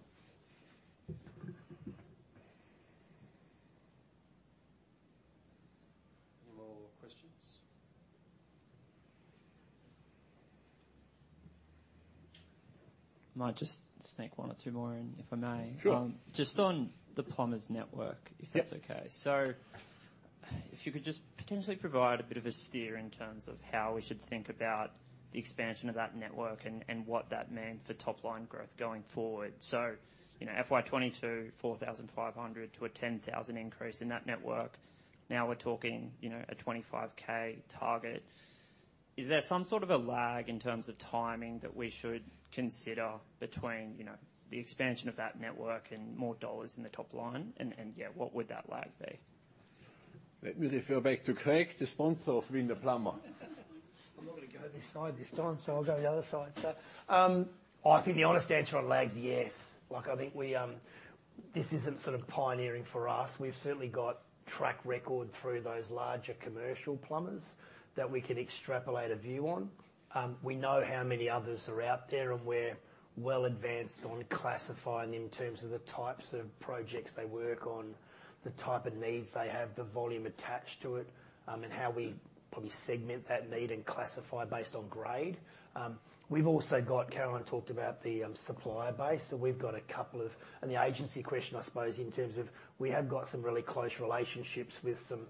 Any more questions? Might just sneak one or two more in, if I may. Sure. Just on the plumbers network. Yeah. If that's okay. If you could just potentially provide a bit of a steer in terms of how we should think about the expansion of that network and what that means for top line growth going forward. You know, FY 2022, 4,500-10,000 increase in that network. Now we're talking, you know, a 25,000 target. Is there some sort of a lag in terms of timing that we should consider between, you know, the expansion of that network and more dollars in the top line? And yeah, what would that lag be? Let me refer back to Craig, the sponsor of Win the Plumber. I'm not gonna go this side this time, so I'll go the other side. I think the honest answer on lags, yes. Like, this isn't sort of pioneering for us. We've certainly got track record through those larger commercial plumbers that we can extrapolate a view on. We know how many others are out there, and we're well advanced on classifying in terms of the types of projects they work on, the type of needs they have, the volume attached to it, and how we probably segment that need and classify based on grade. We've also got. Caroline talked about the supplier base, so we've got a couple of. The agency question, I suppose, in terms of we have got some really close relationships with some,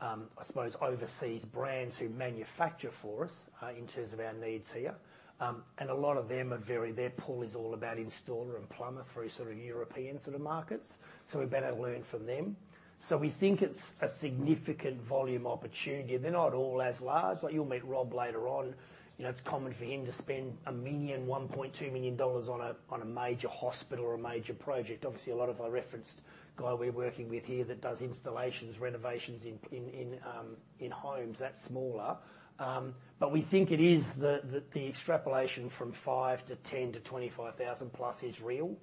I suppose, overseas brands who manufacture for us, in terms of our needs here. A lot of them are their pull is all about installer and plumber through sort of European sort of markets, so we better learn from them. We think it's a significant volume opportunity. They're not all as large. Like, you'll meet Rob later on. You know, it's common for him to spend 1 million, 1.2 million dollars on a major hospital or a major project. Obviously, a lot of our referenced guy we're working with here that does installations, renovations in homes. That's smaller. We think it is the extrapolation from 5-10-25,000+ is real.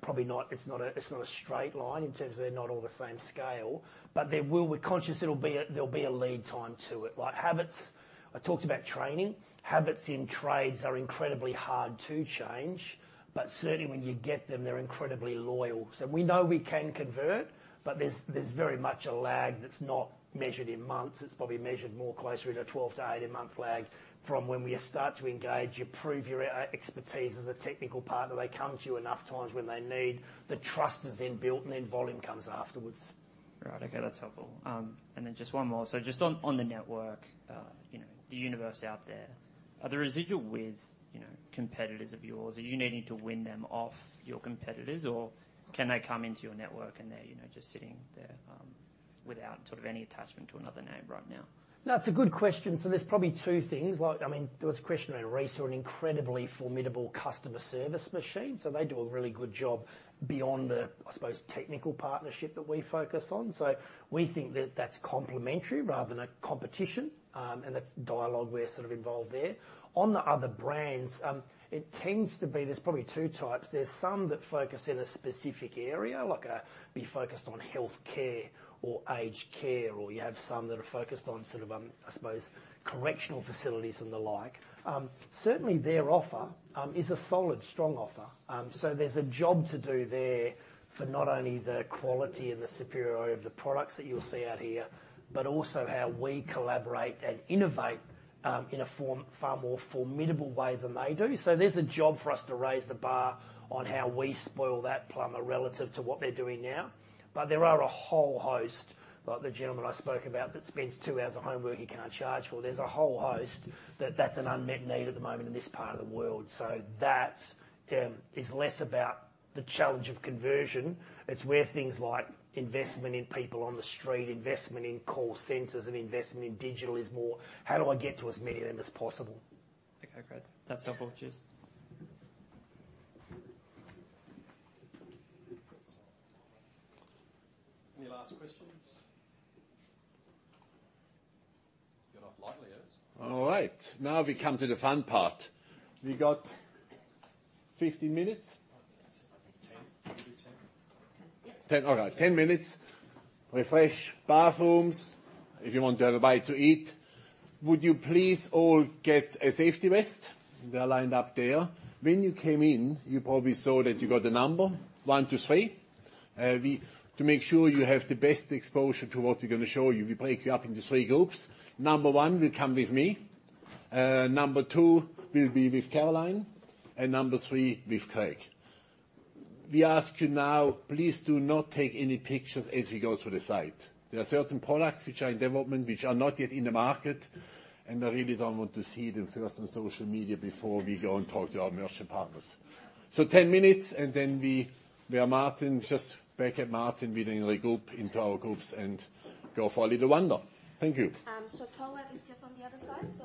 Probably not. It's not a straight line in terms of they are not all the same scale, but there will. We're conscious there'll be a lead time to it. Like habits, I talked about training. Habits in trades are incredibly hard to change, but certainly when you get them, they are incredibly loyal. We know we can convert, but there's very much a lag that's not measured in months. It's probably measured more closer in a 12- to 18-month lag from when we start to engage, you prove your expertise as a technical partner. They come to you enough times when they need. The trust is then built, and then volume comes afterwards. Right. Okay. That's helpful. Just one more. Just on the network, you know, the universe out there, are the residual with, you know, competitors of yours? Are you needing to win them off your competitors, or can they come into your network and they're, you know, just sitting there, without sort of any attachment to another name right now? That's a good question. There's probably two things. Like, I mean, there was a question around Reece or an incredibly formidable customer service machine. They do a really good job beyond the, I suppose, technical partnership that we focus on. We think that that's complementary rather than a competition, and that's dialogue we're sort of involved there. On the other brands, it tends to be there's probably two types. There's some that focus in a specific area, like, focused on healthcare or aged care, or you have some that are focused on sort of, I suppose, correctional facilities and the like. Certainly their offer is a solid, strong offer. There's a job to do there for not only the quality and the superiority of the products that you'll see out here, but also how we collaborate and innovate, in a form far more formidable way than they do. There's a job for us to raise the bar on how we spoil that plumber relative to what they're doing now. There are a whole host, like the gentleman I spoke about, that spends two hours of homework he can't charge for. There's a whole host that’s an unmet need at the moment in this part of the world. That is less about the challenge of conversion. It's where things like investment in people on the street, investment in call centers, and investment in digital is more, how do I get to as many of them as possible? Okay, great. That's helpful. Cheers. Any last questions? Getting off lightly, yes. All right. Now we come to the fun part. We got 15 minutes. It says like 10. Can we do 10? Ten. 10. All right. 10 minutes. Refresh bathrooms if you want to have a bite to eat. Would you please all get a safety vest? They're lined up there. When you came in, you probably saw that you got a number, 1-3. To make sure you have the best exposure to what we're gonna show you, we break you up into three groups. Number 1 will come with me, number 2 will be with Caroline, and number 3 with Craig. We ask you now, please do not take any pictures as we go through the site. There are certain products which are in development which are not yet in the market, and I really don't want to see them first on social media before we go and talk to our merchant partners. 10 minutes, and then we regroup into our groups and go for a little wander. Thank you. Toilet is just on the other side.